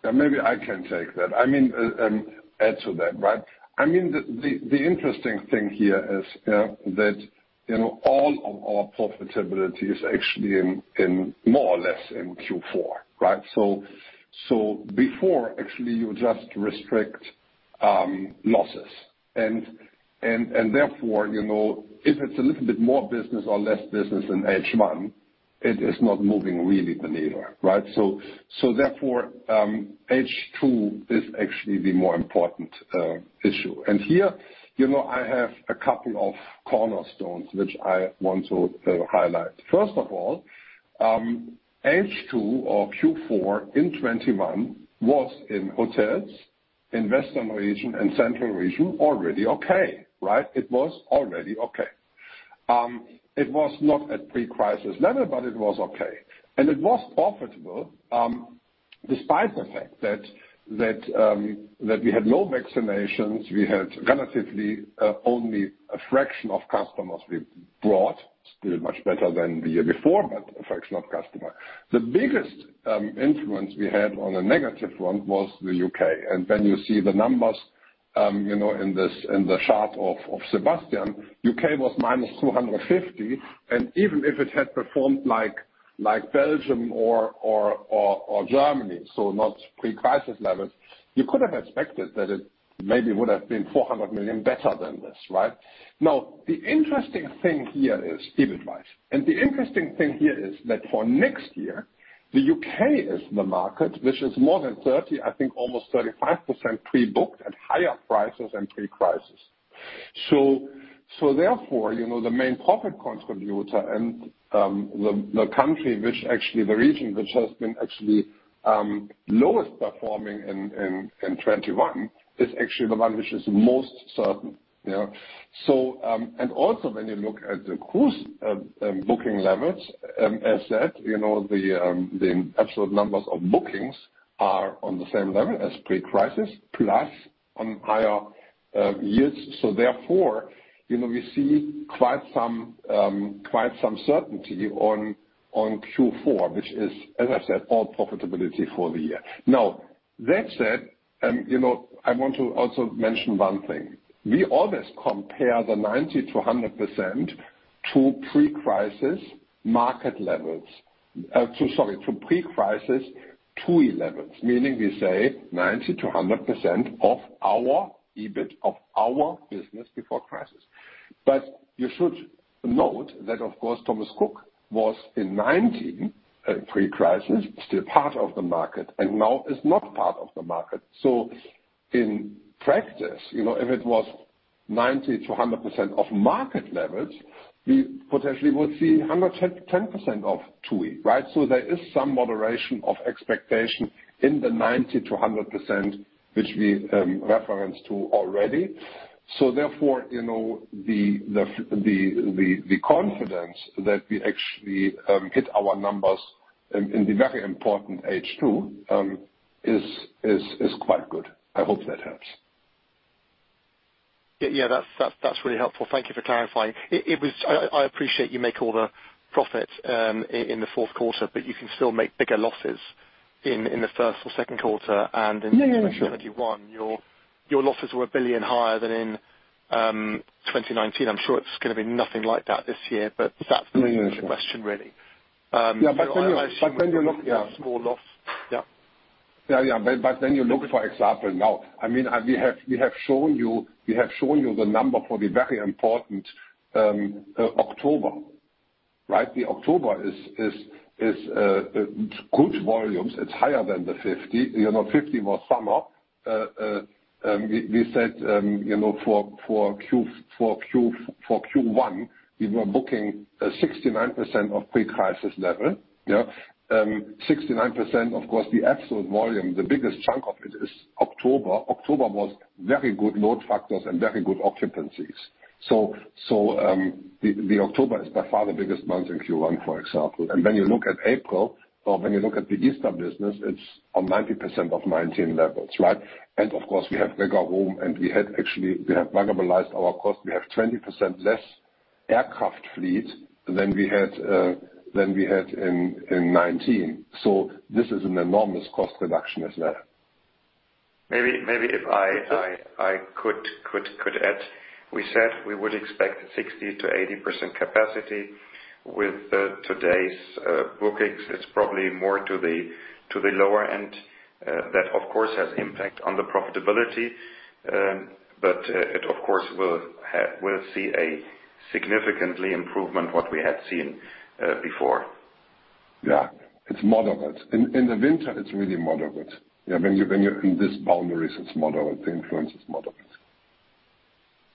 Now maybe I can take that. I mean, add to that, right? I mean, the interesting thing here is that you know, all of our profitability is actually in more or less in Q4, right? So before actually you just restrict losses and therefore you know, if it's a little bit more business or less business in H1, it is not moving really the needle, right? Therefore H2 is actually the more important issue. Here you know, I have a couple of cornerstones which I want to highlight. First of all, H2 or Q4 in 2021 was in hotels in Western Region and Central Region already okay, right? It was already okay. It was not at pre-crisis level, but it was okay. It was profitable, despite the fact that we had no vaccinations. We had relatively only a fraction of customers we brought, still much better than the year before, but a fraction of customers. The biggest influence we had, a negative one, was the U.K. When you see the numbers, you know, in the chart of Sebastian Ebel, the U.K. was -250 million. Even if it had performed like Belgium or Germany, so not pre-crisis levels, you could have expected that it maybe would have been 400 million better than this, right? Now, the interesting thing here is the EBITDA, and the interesting thing here is that for next year, the U.K. is the market which is more than 30%, I think almost 35% pre-booked at higher prices than pre-crisis. Therefore, you know, the main profit contributor and the region which has been lowest performing in 2021 is actually the one which is most certain, you know? Also when you look at the cruise booking levels, as said, you know, the absolute numbers of bookings are on the same level as pre-crisis, plus on higher yields. Therefore, you know, we see quite some certainty on Q4, which is, as I said, all profitability for the year. That said, you know, I want to also mention one thing. We always compare 90%-100% to pre-crisis market levels. To pre-crisis TUI levels. Meaning we say 90%-100% of our EBIT, of our business before crisis. You should note that, of course, Thomas Cook was in 2019, pre-crisis, still part of the market and now is not part of the market. In practice, you know, if it was 90%-100% of market levels, we potentially would see 110% of TUI, right? There is some moderation of expectation in the 90%-100% which we referred to already. Therefore, you know, the confidence that we actually hit our numbers in the very important H2 is quite good. I hope that helps. Yeah, that's really helpful. Thank you for clarifying. I appreciate you make all the profit in the fourth quarter, but you can still make bigger losses in the first or second quarter and in- Yeah, yeah, sure. In 2021, your losses were 1 billion higher than in 2019. I'm sure it's gonna be nothing like that this year, but that's the main question, really. I assume- Yeah, when you look, yeah. a small loss. Yeah. You look, for example, now. I mean, we have shown you the number for the very important October, right? October is good volumes. It's higher than the 50. You know, 50 was summer. We said, you know, for Q1, we were booking 69% of pre-crisis level. 69%, of course, the absolute volume, the biggest chunk of it is October. October was very good load factors and very good occupancies. October is by far the biggest month in Q1, for example. When you look at April or when you look at the Easter business, it's on 90% of 2019 levels, right? Of course, we have bigger room, and we actually have minimized our costs. We have 20% less aircraft fleet than we had in 2019. This is an enormous cost reduction as well. Maybe if I could add. We said we would expect 60%-80% capacity. With today's bookings, it's probably more to the lower end. That of course has impact on the profitability. It of course will see a significantly improvement what we had seen before. Yeah. It's moderate. In the winter, it's really moderate. In these boundaries, it's moderate. The influence is moderate.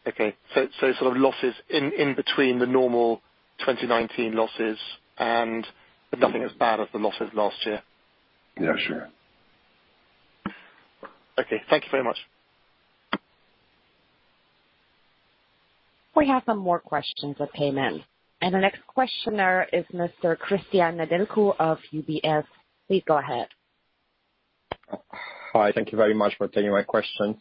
Okay. Sort of losses in between the normal 2019 losses and nothing as bad as the losses last year. Yeah, sure. Okay. Thank you very much. We have some more questions that came in, and the next questioner is Mr. Cristian Nedelcu of UBS. Please go ahead. Hi. Thank you very much for taking my questions.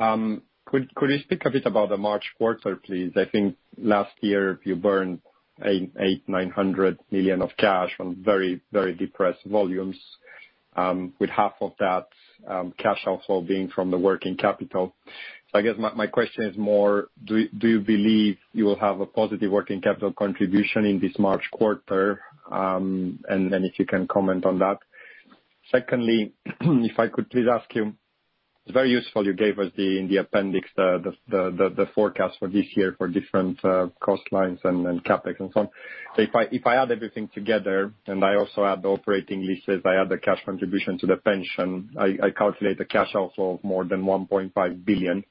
Could you speak a bit about the March quarter, please? I think last year you burned 889 million of cash on very depressed volumes, with half of that cash outflow being from the working capital. I guess my question is more do you believe you will have a positive working capital contribution in this March quarter? Then if you can comment on that. Secondly, if I could please ask you, it's very useful you gave us the forecast in the appendix for this year for different cost lines and CapEx and so on. If I add everything together and I also add the operating leases, I add the cash contribution to the pension, I calculate a cash outflow of more than 1.5 billion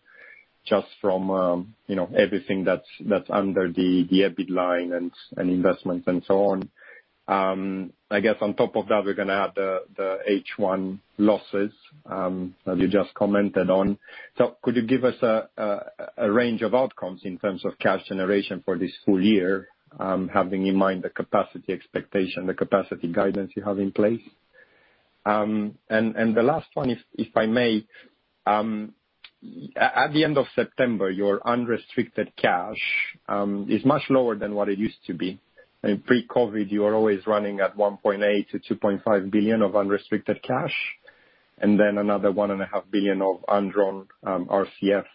just from, you know, everything that's under the EBIT line and investments and so on. I guess on top of that, we're gonna add the H1 losses that you just commented on. Could you give us a range of outcomes in terms of cash generation for this full year, having in mind the capacity expectation, the capacity guidance you have in place? The last one, if I may, at the end of September, your unrestricted cash is much lower than what it used to be. In pre-COVID, you were always running at 1.8 billion-2.5 billion of unrestricted cash and then another 1.5 billion of undrawn RCF.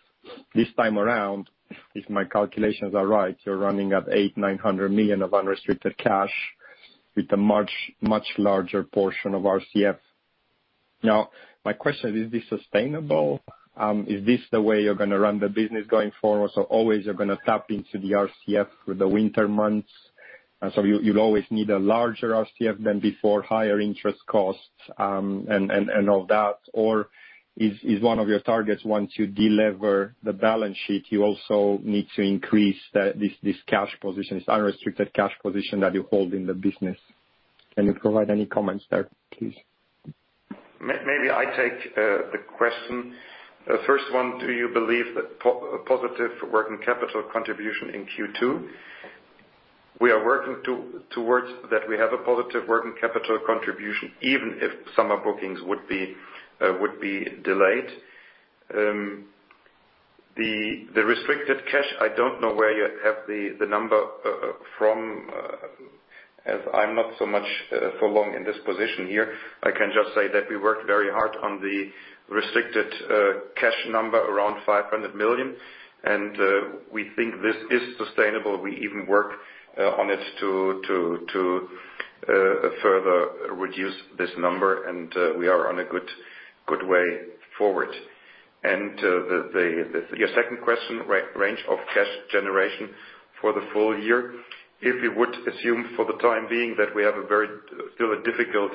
This time around, if my calculations are right, you're running at 800 million-900 million of unrestricted cash with a much, much larger portion of RCF. Now, my question is this sustainable? Is this the way you're gonna run the business going forward? Always you're gonna tap into the RCF for the winter months, and you'll always need a larger RCF than before, higher interest costs, and all that. Or is one of your targets, once you de-lever the balance sheet, you also need to increase this cash position, this unrestricted cash position that you hold in the business. Can you provide any comments there, please? Maybe I take the question. First one, do you believe that positive working capital contribution in Q2? We are working towards that we have a positive working capital contribution, even if summer bookings would be delayed. The restricted cash, I don't know where you have the number from, as I'm not so long in this position here. I can just say that we worked very hard on the restricted cash number around 500 million, and we think this is sustainable. We even work on it to further reduce this number, and we are on a good way forward. Your second question, range of cash generation for the full year. If you would assume for the time being that we have still a difficult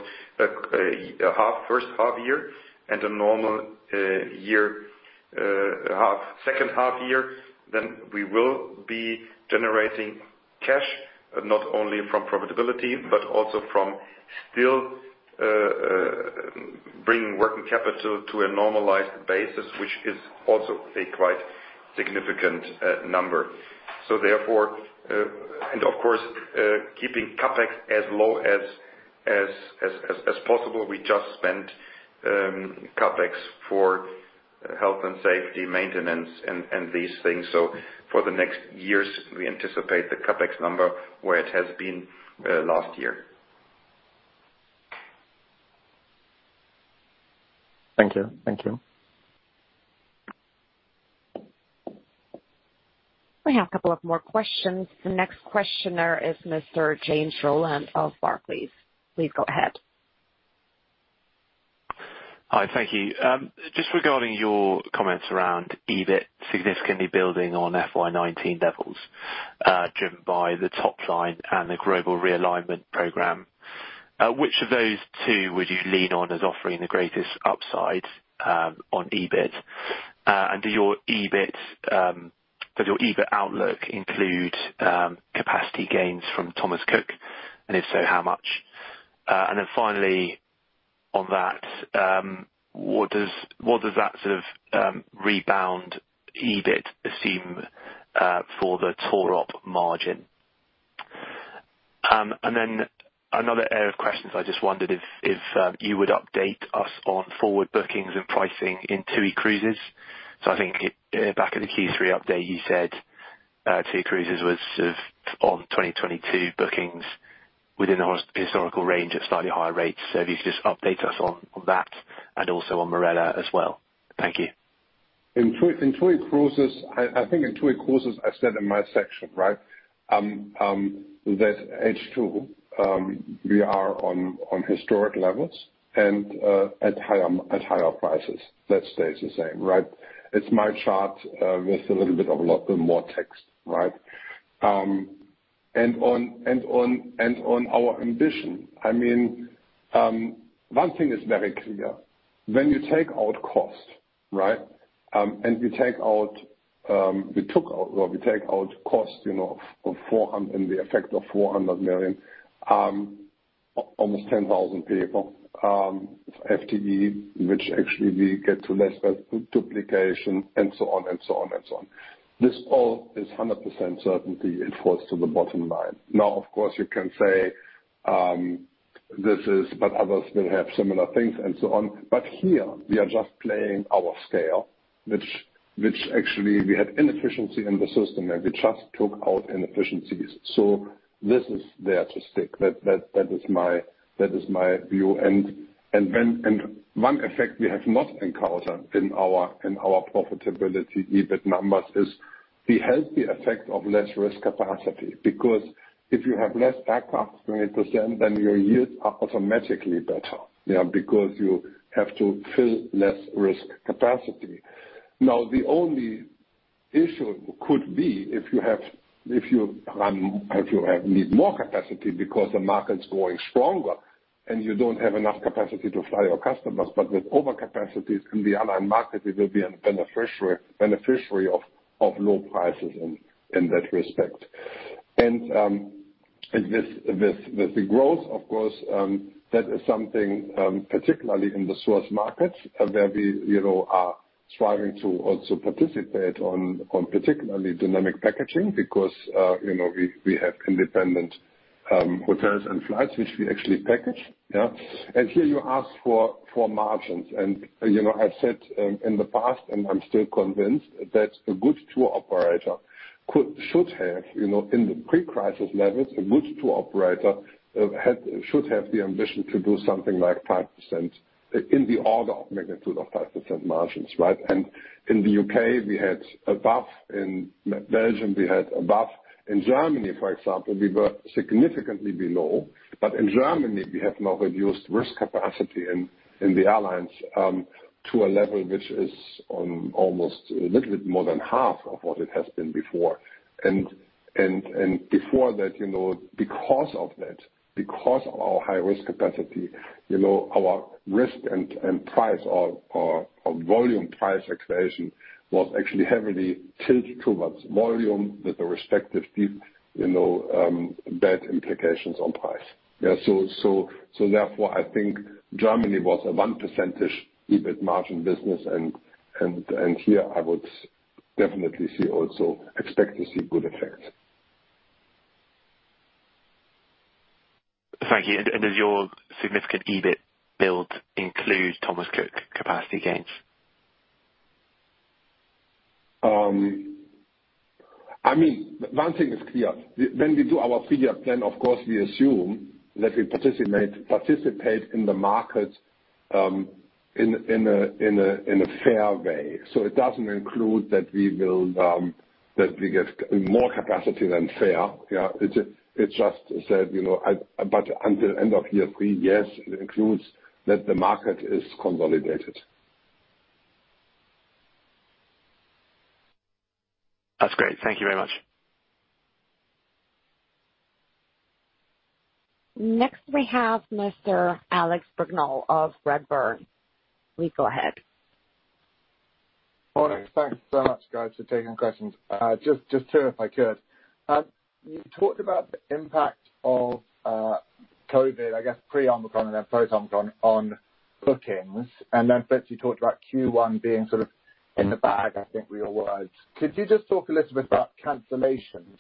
first half year and a normal second half year, then we will be generating cash, not only from profitability, but also from still bringing working capital to a normalized basis, which is also a quite significant number. Therefore, and of course, keeping CapEx as low as possible. We just spent CapEx for health and safety maintenance and these things. For the next years, we anticipate the CapEx number where it has been last year. Thank you. Thank you. We have a couple of more questions. The next questioner is Mr. James Rowland of Barclays. Please go ahead. Hi, thank you. Just regarding your comments around EBIT significantly building on FY 2019 levels, driven by the top line and the global realignment program. Which of those two would you lean on as offering the greatest upside on EBIT? And does your EBIT outlook include capacity gains from Thomas Cook? And if so, how much? And then finally on that, what does that sort of rebound EBIT assume for the tour op margin? And then another area of questions, I just wondered if you would update us on forward bookings and pricing in TUI Cruises. I think back in the Q3 update, you said TUI Cruises was sort of on 2022 bookings within a historical range at slightly higher rates. If you could just update us on that and also on Marella as well. Thank you. In TUI, in TUI Cruises, I think in TUI Cruises, I said in my section, right? That H2, we are on historic levels and at higher prices. That stays the same, right? It's my chart with a little bit of a lot more text, right? On our ambition, I mean, one thing is very clear. When you take out cost, right? We take out, we took out or we take out cost, you know, of 400, in the effect of 400 million, almost 10,000 people, FTE, which actually we get to less duplication and so on. This all is 100% certainty it falls to the bottom line. Now, of course, you can say this is, but others will have similar things and so on. Here we are just playing our scale, which actually we had inefficiency in the system and we just took out inefficiencies. So this is there to stick. That is my view. One effect we have not encountered in our profitability EBIT numbers is the healthy effect of less risk capacity. Because if you have less backups than you present, then your yields are automatically better, yeah? Because you have to fill less risk capacity. Now, the only issue could be if you need more capacity because the market's growing stronger and you don't have enough capacity to fly your customers. With overcapacity in the online market, we will be a beneficiary of low prices in that respect. With the growth of course, that is something particularly in the source markets where we, you know, are striving to also participate in particularly dynamic packaging because, you know, we have independent hotels and flights which we actually package. Yeah. Here you ask for margins and you know, I've said in the past, and I'm still convinced that a good tour operator should have, you know, in the pre-crisis levels, the ambition to do something like 5% in the order of magnitude of 5% margins, right? In the U.K. we had above, in Belgium we had above. In Germany for example we were significantly below. In Germany we have now reduced risk capacity in the airlines to a level which is almost a little bit more than half of what it has been before. Before that, you know, because of that, because of our high risk capacity, you know, our risk and price or volume price escalation was actually heavily tilted towards volume with the respective deep, you know, bad implications on price. Yeah. Therefore I think Germany was a 1% EBIT margin business and here I would definitely see also, expect to see good effects. Thank you. Does your significant EBIT build include Thomas Cook capacity gains? I mean, one thing is clear. When we do our five-year plan, of course, we assume that we participate in the market in a fair way. It doesn't include that we will get more capacity than fair, yeah? It just said, you know, but until end of year three, yes, it includes that the market is consolidated. That's great. Thank you very much. Next we have Mr. Alex Brignall of Redburn. Please go ahead. Morning. Thanks so much guys for taking questions. Just two, if I could. You talked about the impact of COVID, I guess pre-Omicron and then post-Omicron on bookings, and then Fritz, you talked about Q1 being sort of in the bag, I think were your words. Could you just talk a little bit about cancellations?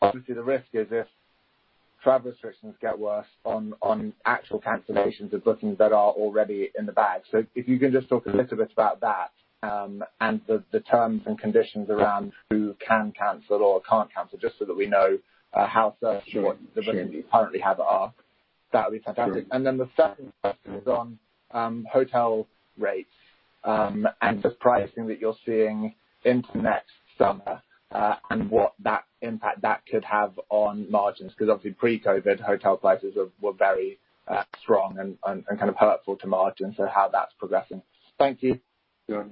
Obviously the risk is if travel restrictions get worse on actual cancellations of bookings that are already in the bag. If you can just talk a little bit about that, and the terms and conditions around who can cancel or can't cancel, just so that we know how certain- Sure, sure. What the bookings you currently have are, that would be fantastic. Sure. The second question is on hotel rates, and the pricing that you're seeing into next summer, and what impact that could have on margins, because obviously pre-COVID hotel prices were very strong and kind of helpful to margins. How that's progressing. Thank you. Yeah.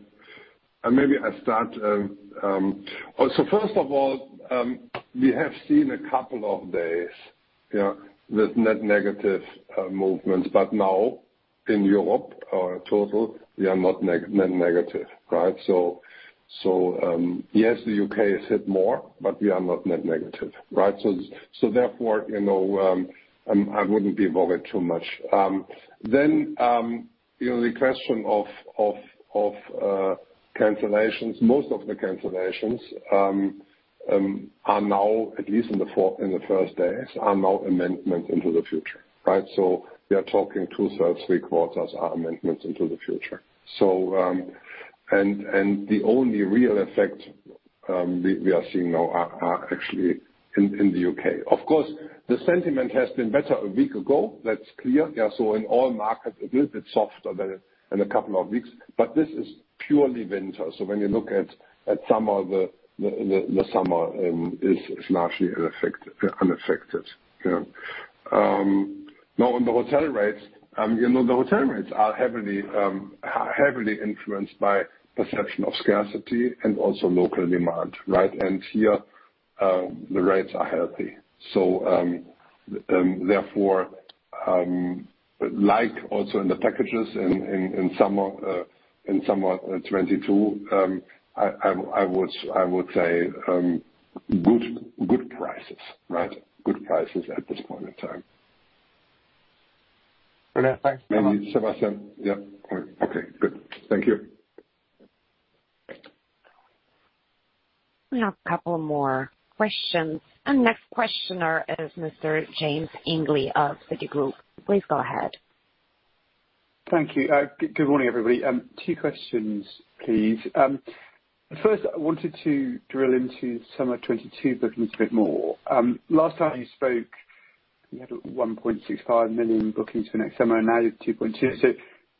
Maybe I start. First of all, we have seen a couple of days, yeah, with net negative movements, but now in Europe or total, we are not net negative, right? Yes, the U.K. is hit more, but we are not net negative, right? Therefore, you know, I wouldn't be worried too much. Then, you know, the question of cancellations. Most of the cancellations are now, at least in the first days, amendments into the future, right? We are talking 2/3, 3/4 are amendments into the future. And the only real effect we are seeing now are actually in the U.K. Of course, the sentiment has been better a week ago. That's clear. Yeah. In all markets, a little bit softer than in a couple of weeks. This is purely winter. When you look at summer, the summer is largely unaffected. Yeah. Now on the hotel rates, you know, the hotel rates are heavily influenced by perception of scarcity and also local demand, right? Here, the rates are healthy. Therefore, like also in the packages in summer 2022, I would say good prices, right? Good prices at this point in time. Brilliant. Thanks very much. Maybe Sebastian? Yeah. Okay. Good. Thank you. We have a couple more questions. Next questioner is Mr. James Ainley of Citigroup. Please go ahead. Thank you. Good morning, everybody. Two questions, please. First, I wanted to drill into summer 2022 bookings a bit more. Last time you spoke, you had 1.65 million bookings for next summer. Now you have 2.2. So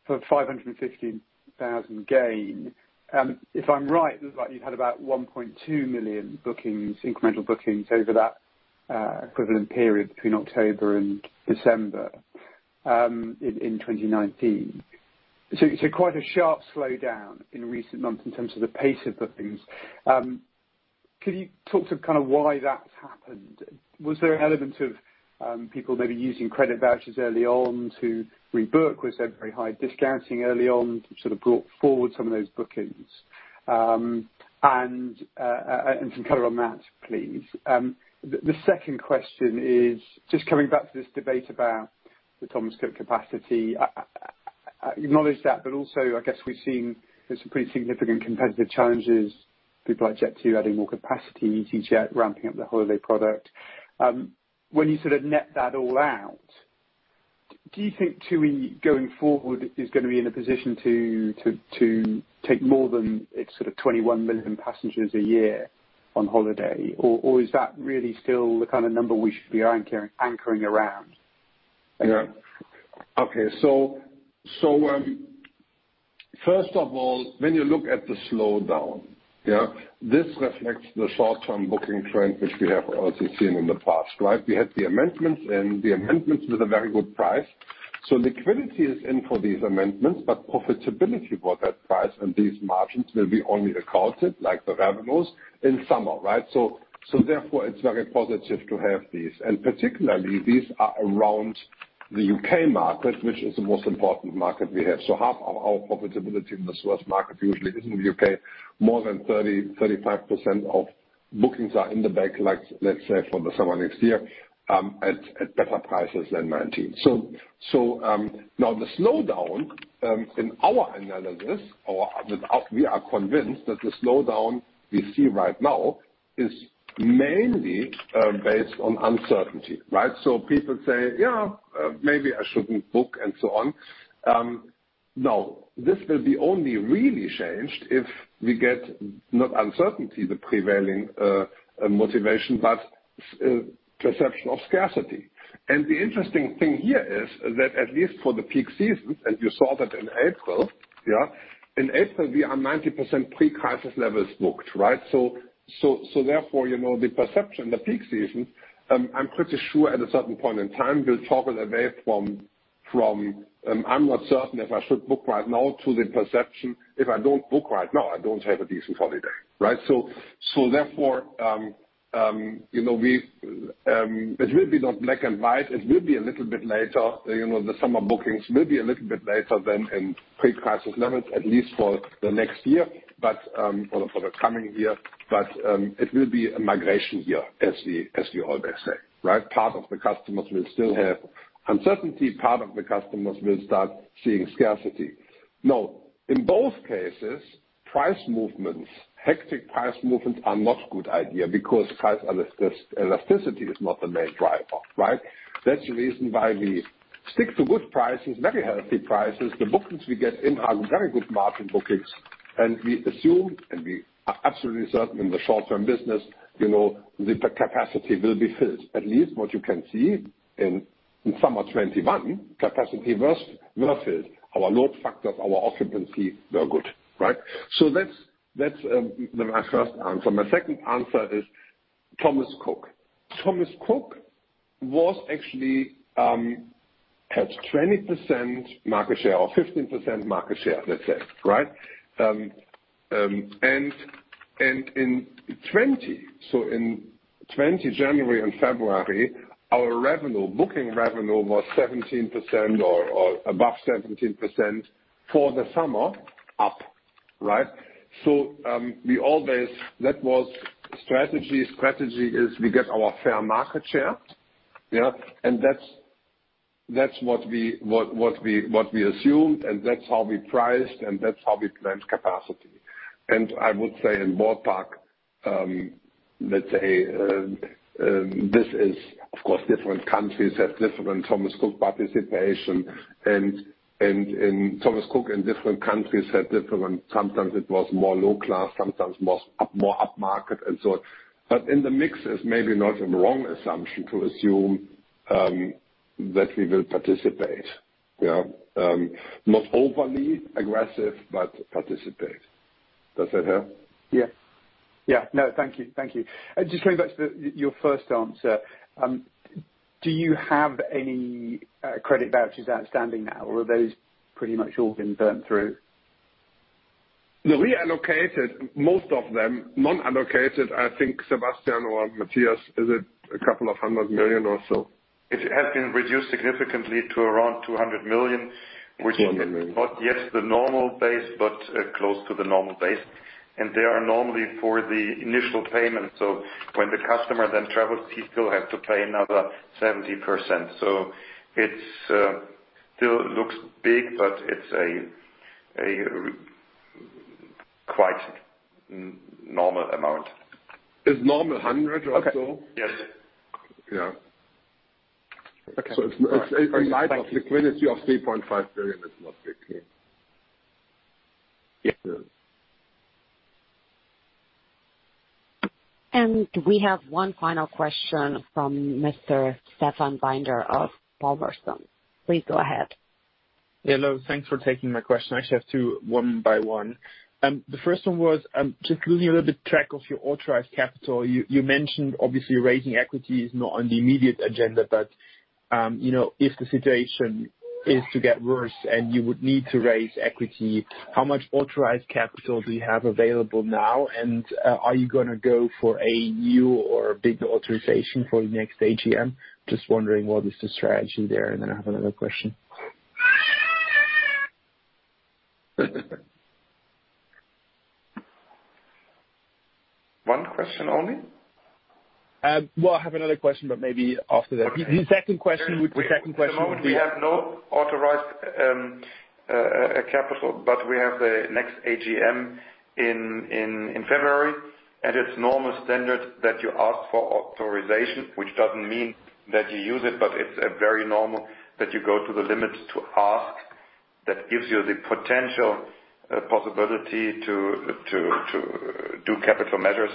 for 515,000 gain. If I'm right, looks like you had about 1.2 million bookings, incremental bookings over that, equivalent period between October and December, in 2019. So quite a sharp slowdown in recent months in terms of the pace of bookings. Could you talk to kind of why that's happened? Was there an element of people maybe using credit vouchers early on to rebook? Was there very high discounting early on to sort of brought forward some of those bookings? And some color on that, please. The second question is just coming back to this debate about the Thomas Cook capacity. I acknowledge that, but also I guess we've seen there's some pretty significant competitive challenges. People like Jet2 adding more capacity, easyJet ramping up their holiday product. When you sort of net that all out, do you think TUI going forward is gonna be in a position to take more than its sort of 21 million passengers a year on holiday? Or is that really still the kind of number we should be anchoring around? Yeah. Okay. First of all, when you look at the slowdown, yeah, this reflects the short-term booking trend which we have also seen in the past, right? We had the amendments with a very good price. Liquidity is in for these amendments, but profitability for that price and these margins will be only accounted like the revenues in summer, right? Therefore it's very positive to have these. Particularly these are around the U.K. market, which is the most important market we have. Half of our profitability in this first market usually is in the U.K. More than 35% of bookings are in the bag, like let's say for the summer next year, at better prices than 2019. Now we are convinced that the slowdown we see right now is mainly based on uncertainty, right? People say, "Yeah, maybe I shouldn't book," and so on. Now this will be only really changed if we get not uncertainty, the prevailing motivation, but perception of scarcity. The interesting thing here is that at least for the peak seasons, and you saw that in April. In April we are 90% pre-crisis levels booked, right? Therefore, you know, the perception, the peak season, I'm pretty sure at a certain point in time will toggle away from I'm not certain if I should book right now to the perception if I don't book right now, I don't have a decent holiday, right? Therefore, you know, we. It will be not black and white. It will be a little bit later. You know, the summer bookings will be a little bit later than in pre-crisis levels, at least for the next year, but for the coming year. It will be a migration year, as we always say, right? Part of the customers will still have uncertainty. Part of the customers will start seeing scarcity. Now, in both cases, price movements, hectic price movements are not good idea because price elasticity is not the main driver, right? That's the reason why we stick to good prices, very healthy prices. The bookings we get in are very good margin bookings. And we assume, and we are absolutely certain in the short-term business, you know, the capacity will be filled. At least what you can see in summer 2021, capacity was well filled. Our load factors, our occupancy were good, right? That's my first answer. My second answer is Thomas Cook. Thomas Cook actually had 20% market share or 15% market share, let's say, right? And in 2020, January and February, our revenue, booking revenue was 17% or above 17% for the summer up, right? That was strategy. Strategy is we get our fair market share, yeah? That's what we assumed, and that's how we priced, and that's how we planned capacity. I would say in ballpark, let's say, this is of course different countries have different Thomas Cook participation. Thomas Cook in different countries had different, sometimes it was more low class, sometimes more upmarket and so on. In the mix is maybe not a wrong assumption to assume that we will participate, yeah. Not overly aggressive, but participate. Does that help? Yeah. No, thank you. Just going back to your first answer. Do you have any credit vouchers outstanding now, or are those pretty much all been burnt through? No, we allocated most of them. Non-allocated, I think Sebastian or Matthias, is it EUR a couple of hundred million or so? It has been reduced significantly to around EUR 200 million. 200 million. Which is not yet the normal base, but close to the normal base. They are normally for the initial payment. When the customer then travels, he still has to pay another 70%. It still looks big, but it's a quite normal amount. It's normal. 100 or so. Okay. Yes. Yeah. Okay. All right. It's in light of liquidity of 3.5 billion, it's not a big deal. Yes. We have one final question from Mr. Stefan Binder of Berenberg. Please go ahead. Yeah. Hello. Thanks for taking my question. I actually have two, one by one. The first one was just losing a little bit track of your authorized capital. You mentioned obviously raising equity is not on the immediate agenda, but you know, if the situation is to get worse and you would need to raise equity, how much authorized capital do you have available now? Are you gonna go for a new or bigger authorization for the next AGM? Just wondering what is the strategy there. Then I have another question. One question only? Well, I have another question, but maybe after that. Okay. The second question would. At the moment we have no authorized capital, but we have the next AGM in February. It's normal standard that you ask for authorization, which doesn't mean that you use it, but it's very normal that you go to the limits to ask. That gives you the potential possibility to do capital measures.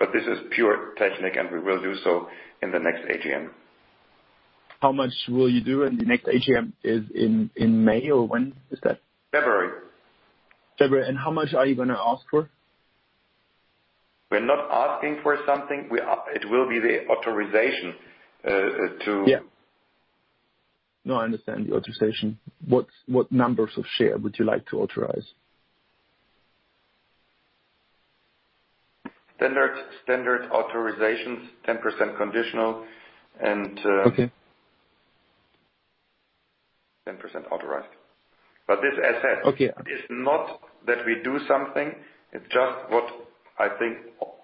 This is pure technique, and we will do so in the next AGM. How much will you do? The next AGM is in May or when is that? February. February. How much are you gonna ask for? We're not asking for something. It will be the authorization to- Yeah. No, I understand the authorization. What numbers of share would you like to authorize? standard authorizations, 10% conditional and Okay. 10% authorized. This as said. Okay. It's not that we do something, it's just what I think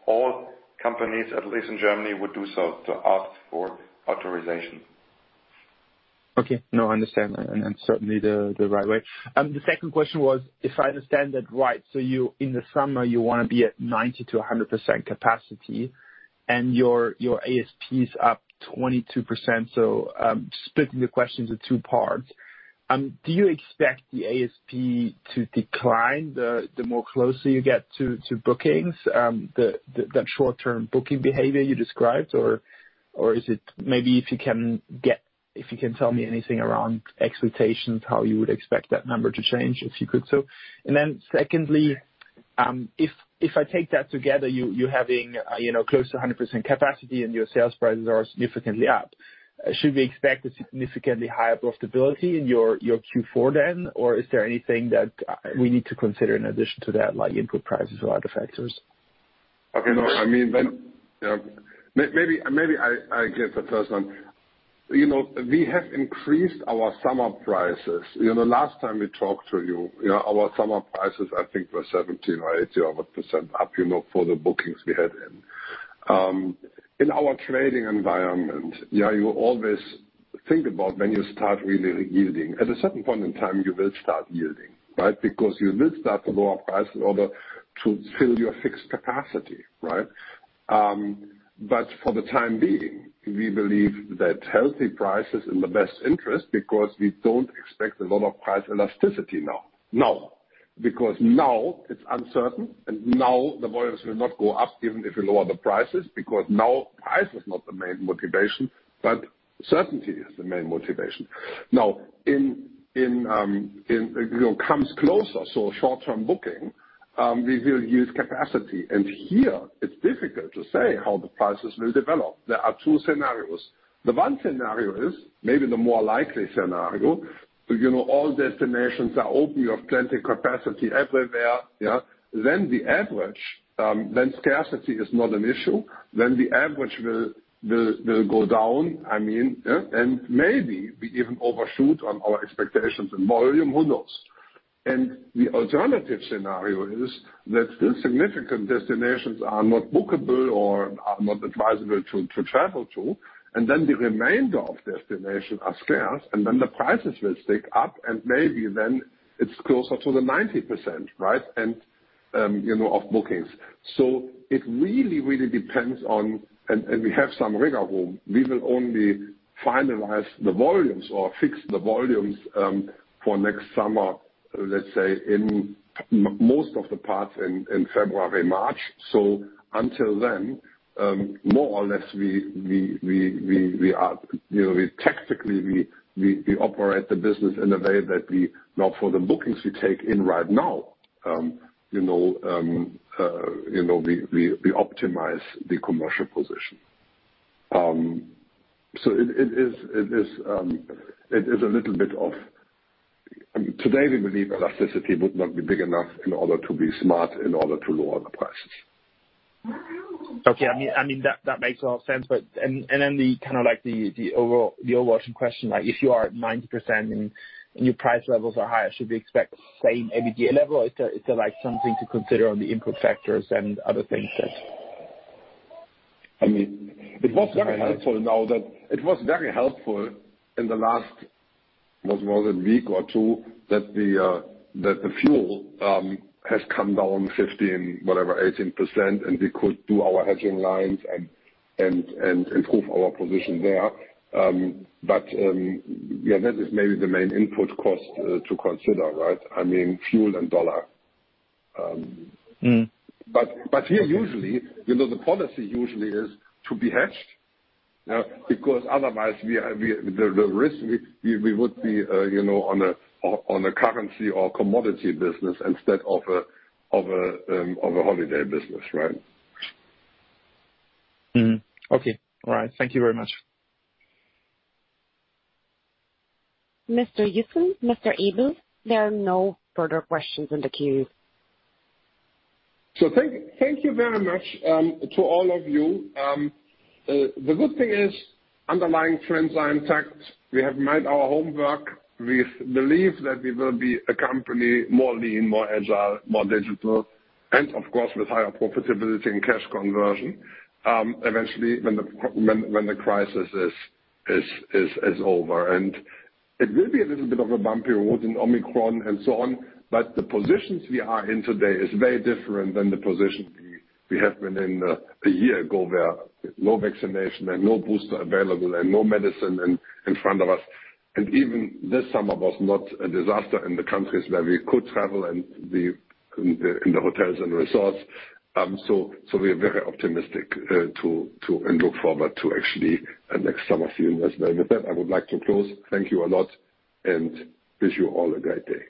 all companies, at least in Germany, would do so to ask for authorization. Okay. No, I understand. Certainly the right way. The second question was, if I understand that right, in the summer, you wanna be at 90%-100% capacity and your ASP is up 22%. Splitting the question into two parts. Do you expect the ASP to decline the more closer you get to bookings? That short-term booking behavior you described? Or is it maybe if you can tell me anything around expectations, how you would expect that number to change, if you could so. Then secondly, if I take that together, you having, you know, close to 100% capacity and your sales prices are significantly up, should we expect a significantly higher profitability in your Q4 then? is there anything that we need to consider in addition to that, like input prices or other factors? Maybe I give the first one. You know, we have increased our summer prices. You know, last time we talked to you know, our summer prices I think were 17% or 18% or what % up, you know, for the bookings we had in. In our trading environment, you always think about when you start really yielding. At a certain point in time you will start yielding, right? Because you will start to lower prices in order to fill your fixed capacity, right? But for the time being, we believe that healthy pricing is in the best interest because we don't expect a lot of price elasticity now. Because now it's uncertain, and now the volumes will not go up even if you lower the prices, because now price is not the main motivation, but certainty is the main motivation. Now, you know, comes closer, so short-term booking, we will use capacity. Here it's difficult to say how the prices will develop. There are two scenarios. The one scenario is, maybe the more likely scenario, you know, all destinations are open, you have plenty capacity everywhere, yeah. Then the average, then scarcity is not an issue. Then the average will go down. I mean, yeah. The alternative scenario is that still significant destinations are not bookable or are not advisable to travel to. Then the remainder of destinations are scarce, and then the prices will stick up, and maybe then it's closer to the 90%, right? You know, of bookings. It really, really depends on. We have some wriggle room. We will only finalize the volumes or fix the volumes for next summer, let's say, in most of the parts in February, March. Until then, more or less, we are, you know, we tactically operate the business in a way that we. Now, for the bookings we take in right now, you know, we optimize the commercial position. It is a little bit of. I mean, today we believe elasticity would not be big enough in order to be smart in order to lower the prices. Okay. I mean that makes a lot of sense. The kinda like the overall, the overarching question. Like, if you are at 90% and your price levels are higher, should we expect same EBITA level? Is there like something to consider on the input factors and other things that It was very helpful in the last, what was it, week or two, that the fuel has come down 15, whatever, 18% and we could do our hedging lines and improve our position there. Yeah, that is maybe the main input cost to consider, right? I mean, fuel and dollar. Mm. Here usually, you know, the policy usually is to be hedged, yeah. Otherwise the risk we would be, you know, on a currency or commodity business instead of a holiday business, right? Okay. All right. Thank you very much. Mr. Joussen, Mr. Ebel, there are no further questions in the queue. Thank you very much to all of you. The good thing is underlying trends are intact. We have made our homework. We believe that we will be a company more lean, more agile, more digital, and of course with higher profitability and cash conversion, eventually when the crisis is over. It will be a little bit of a bumpy road in Omicron and so on, but the positions we are in today is very different than the position we have been in a year ago, where no vaccination and no booster available and no medicine in front of us. Even this summer was not a disaster in the countries where we could travel and in the hotels and resorts. We are very optimistic and look forward to actually a next summer season as well. With that, I would like to close. Thank you a lot, and wish you all a great day.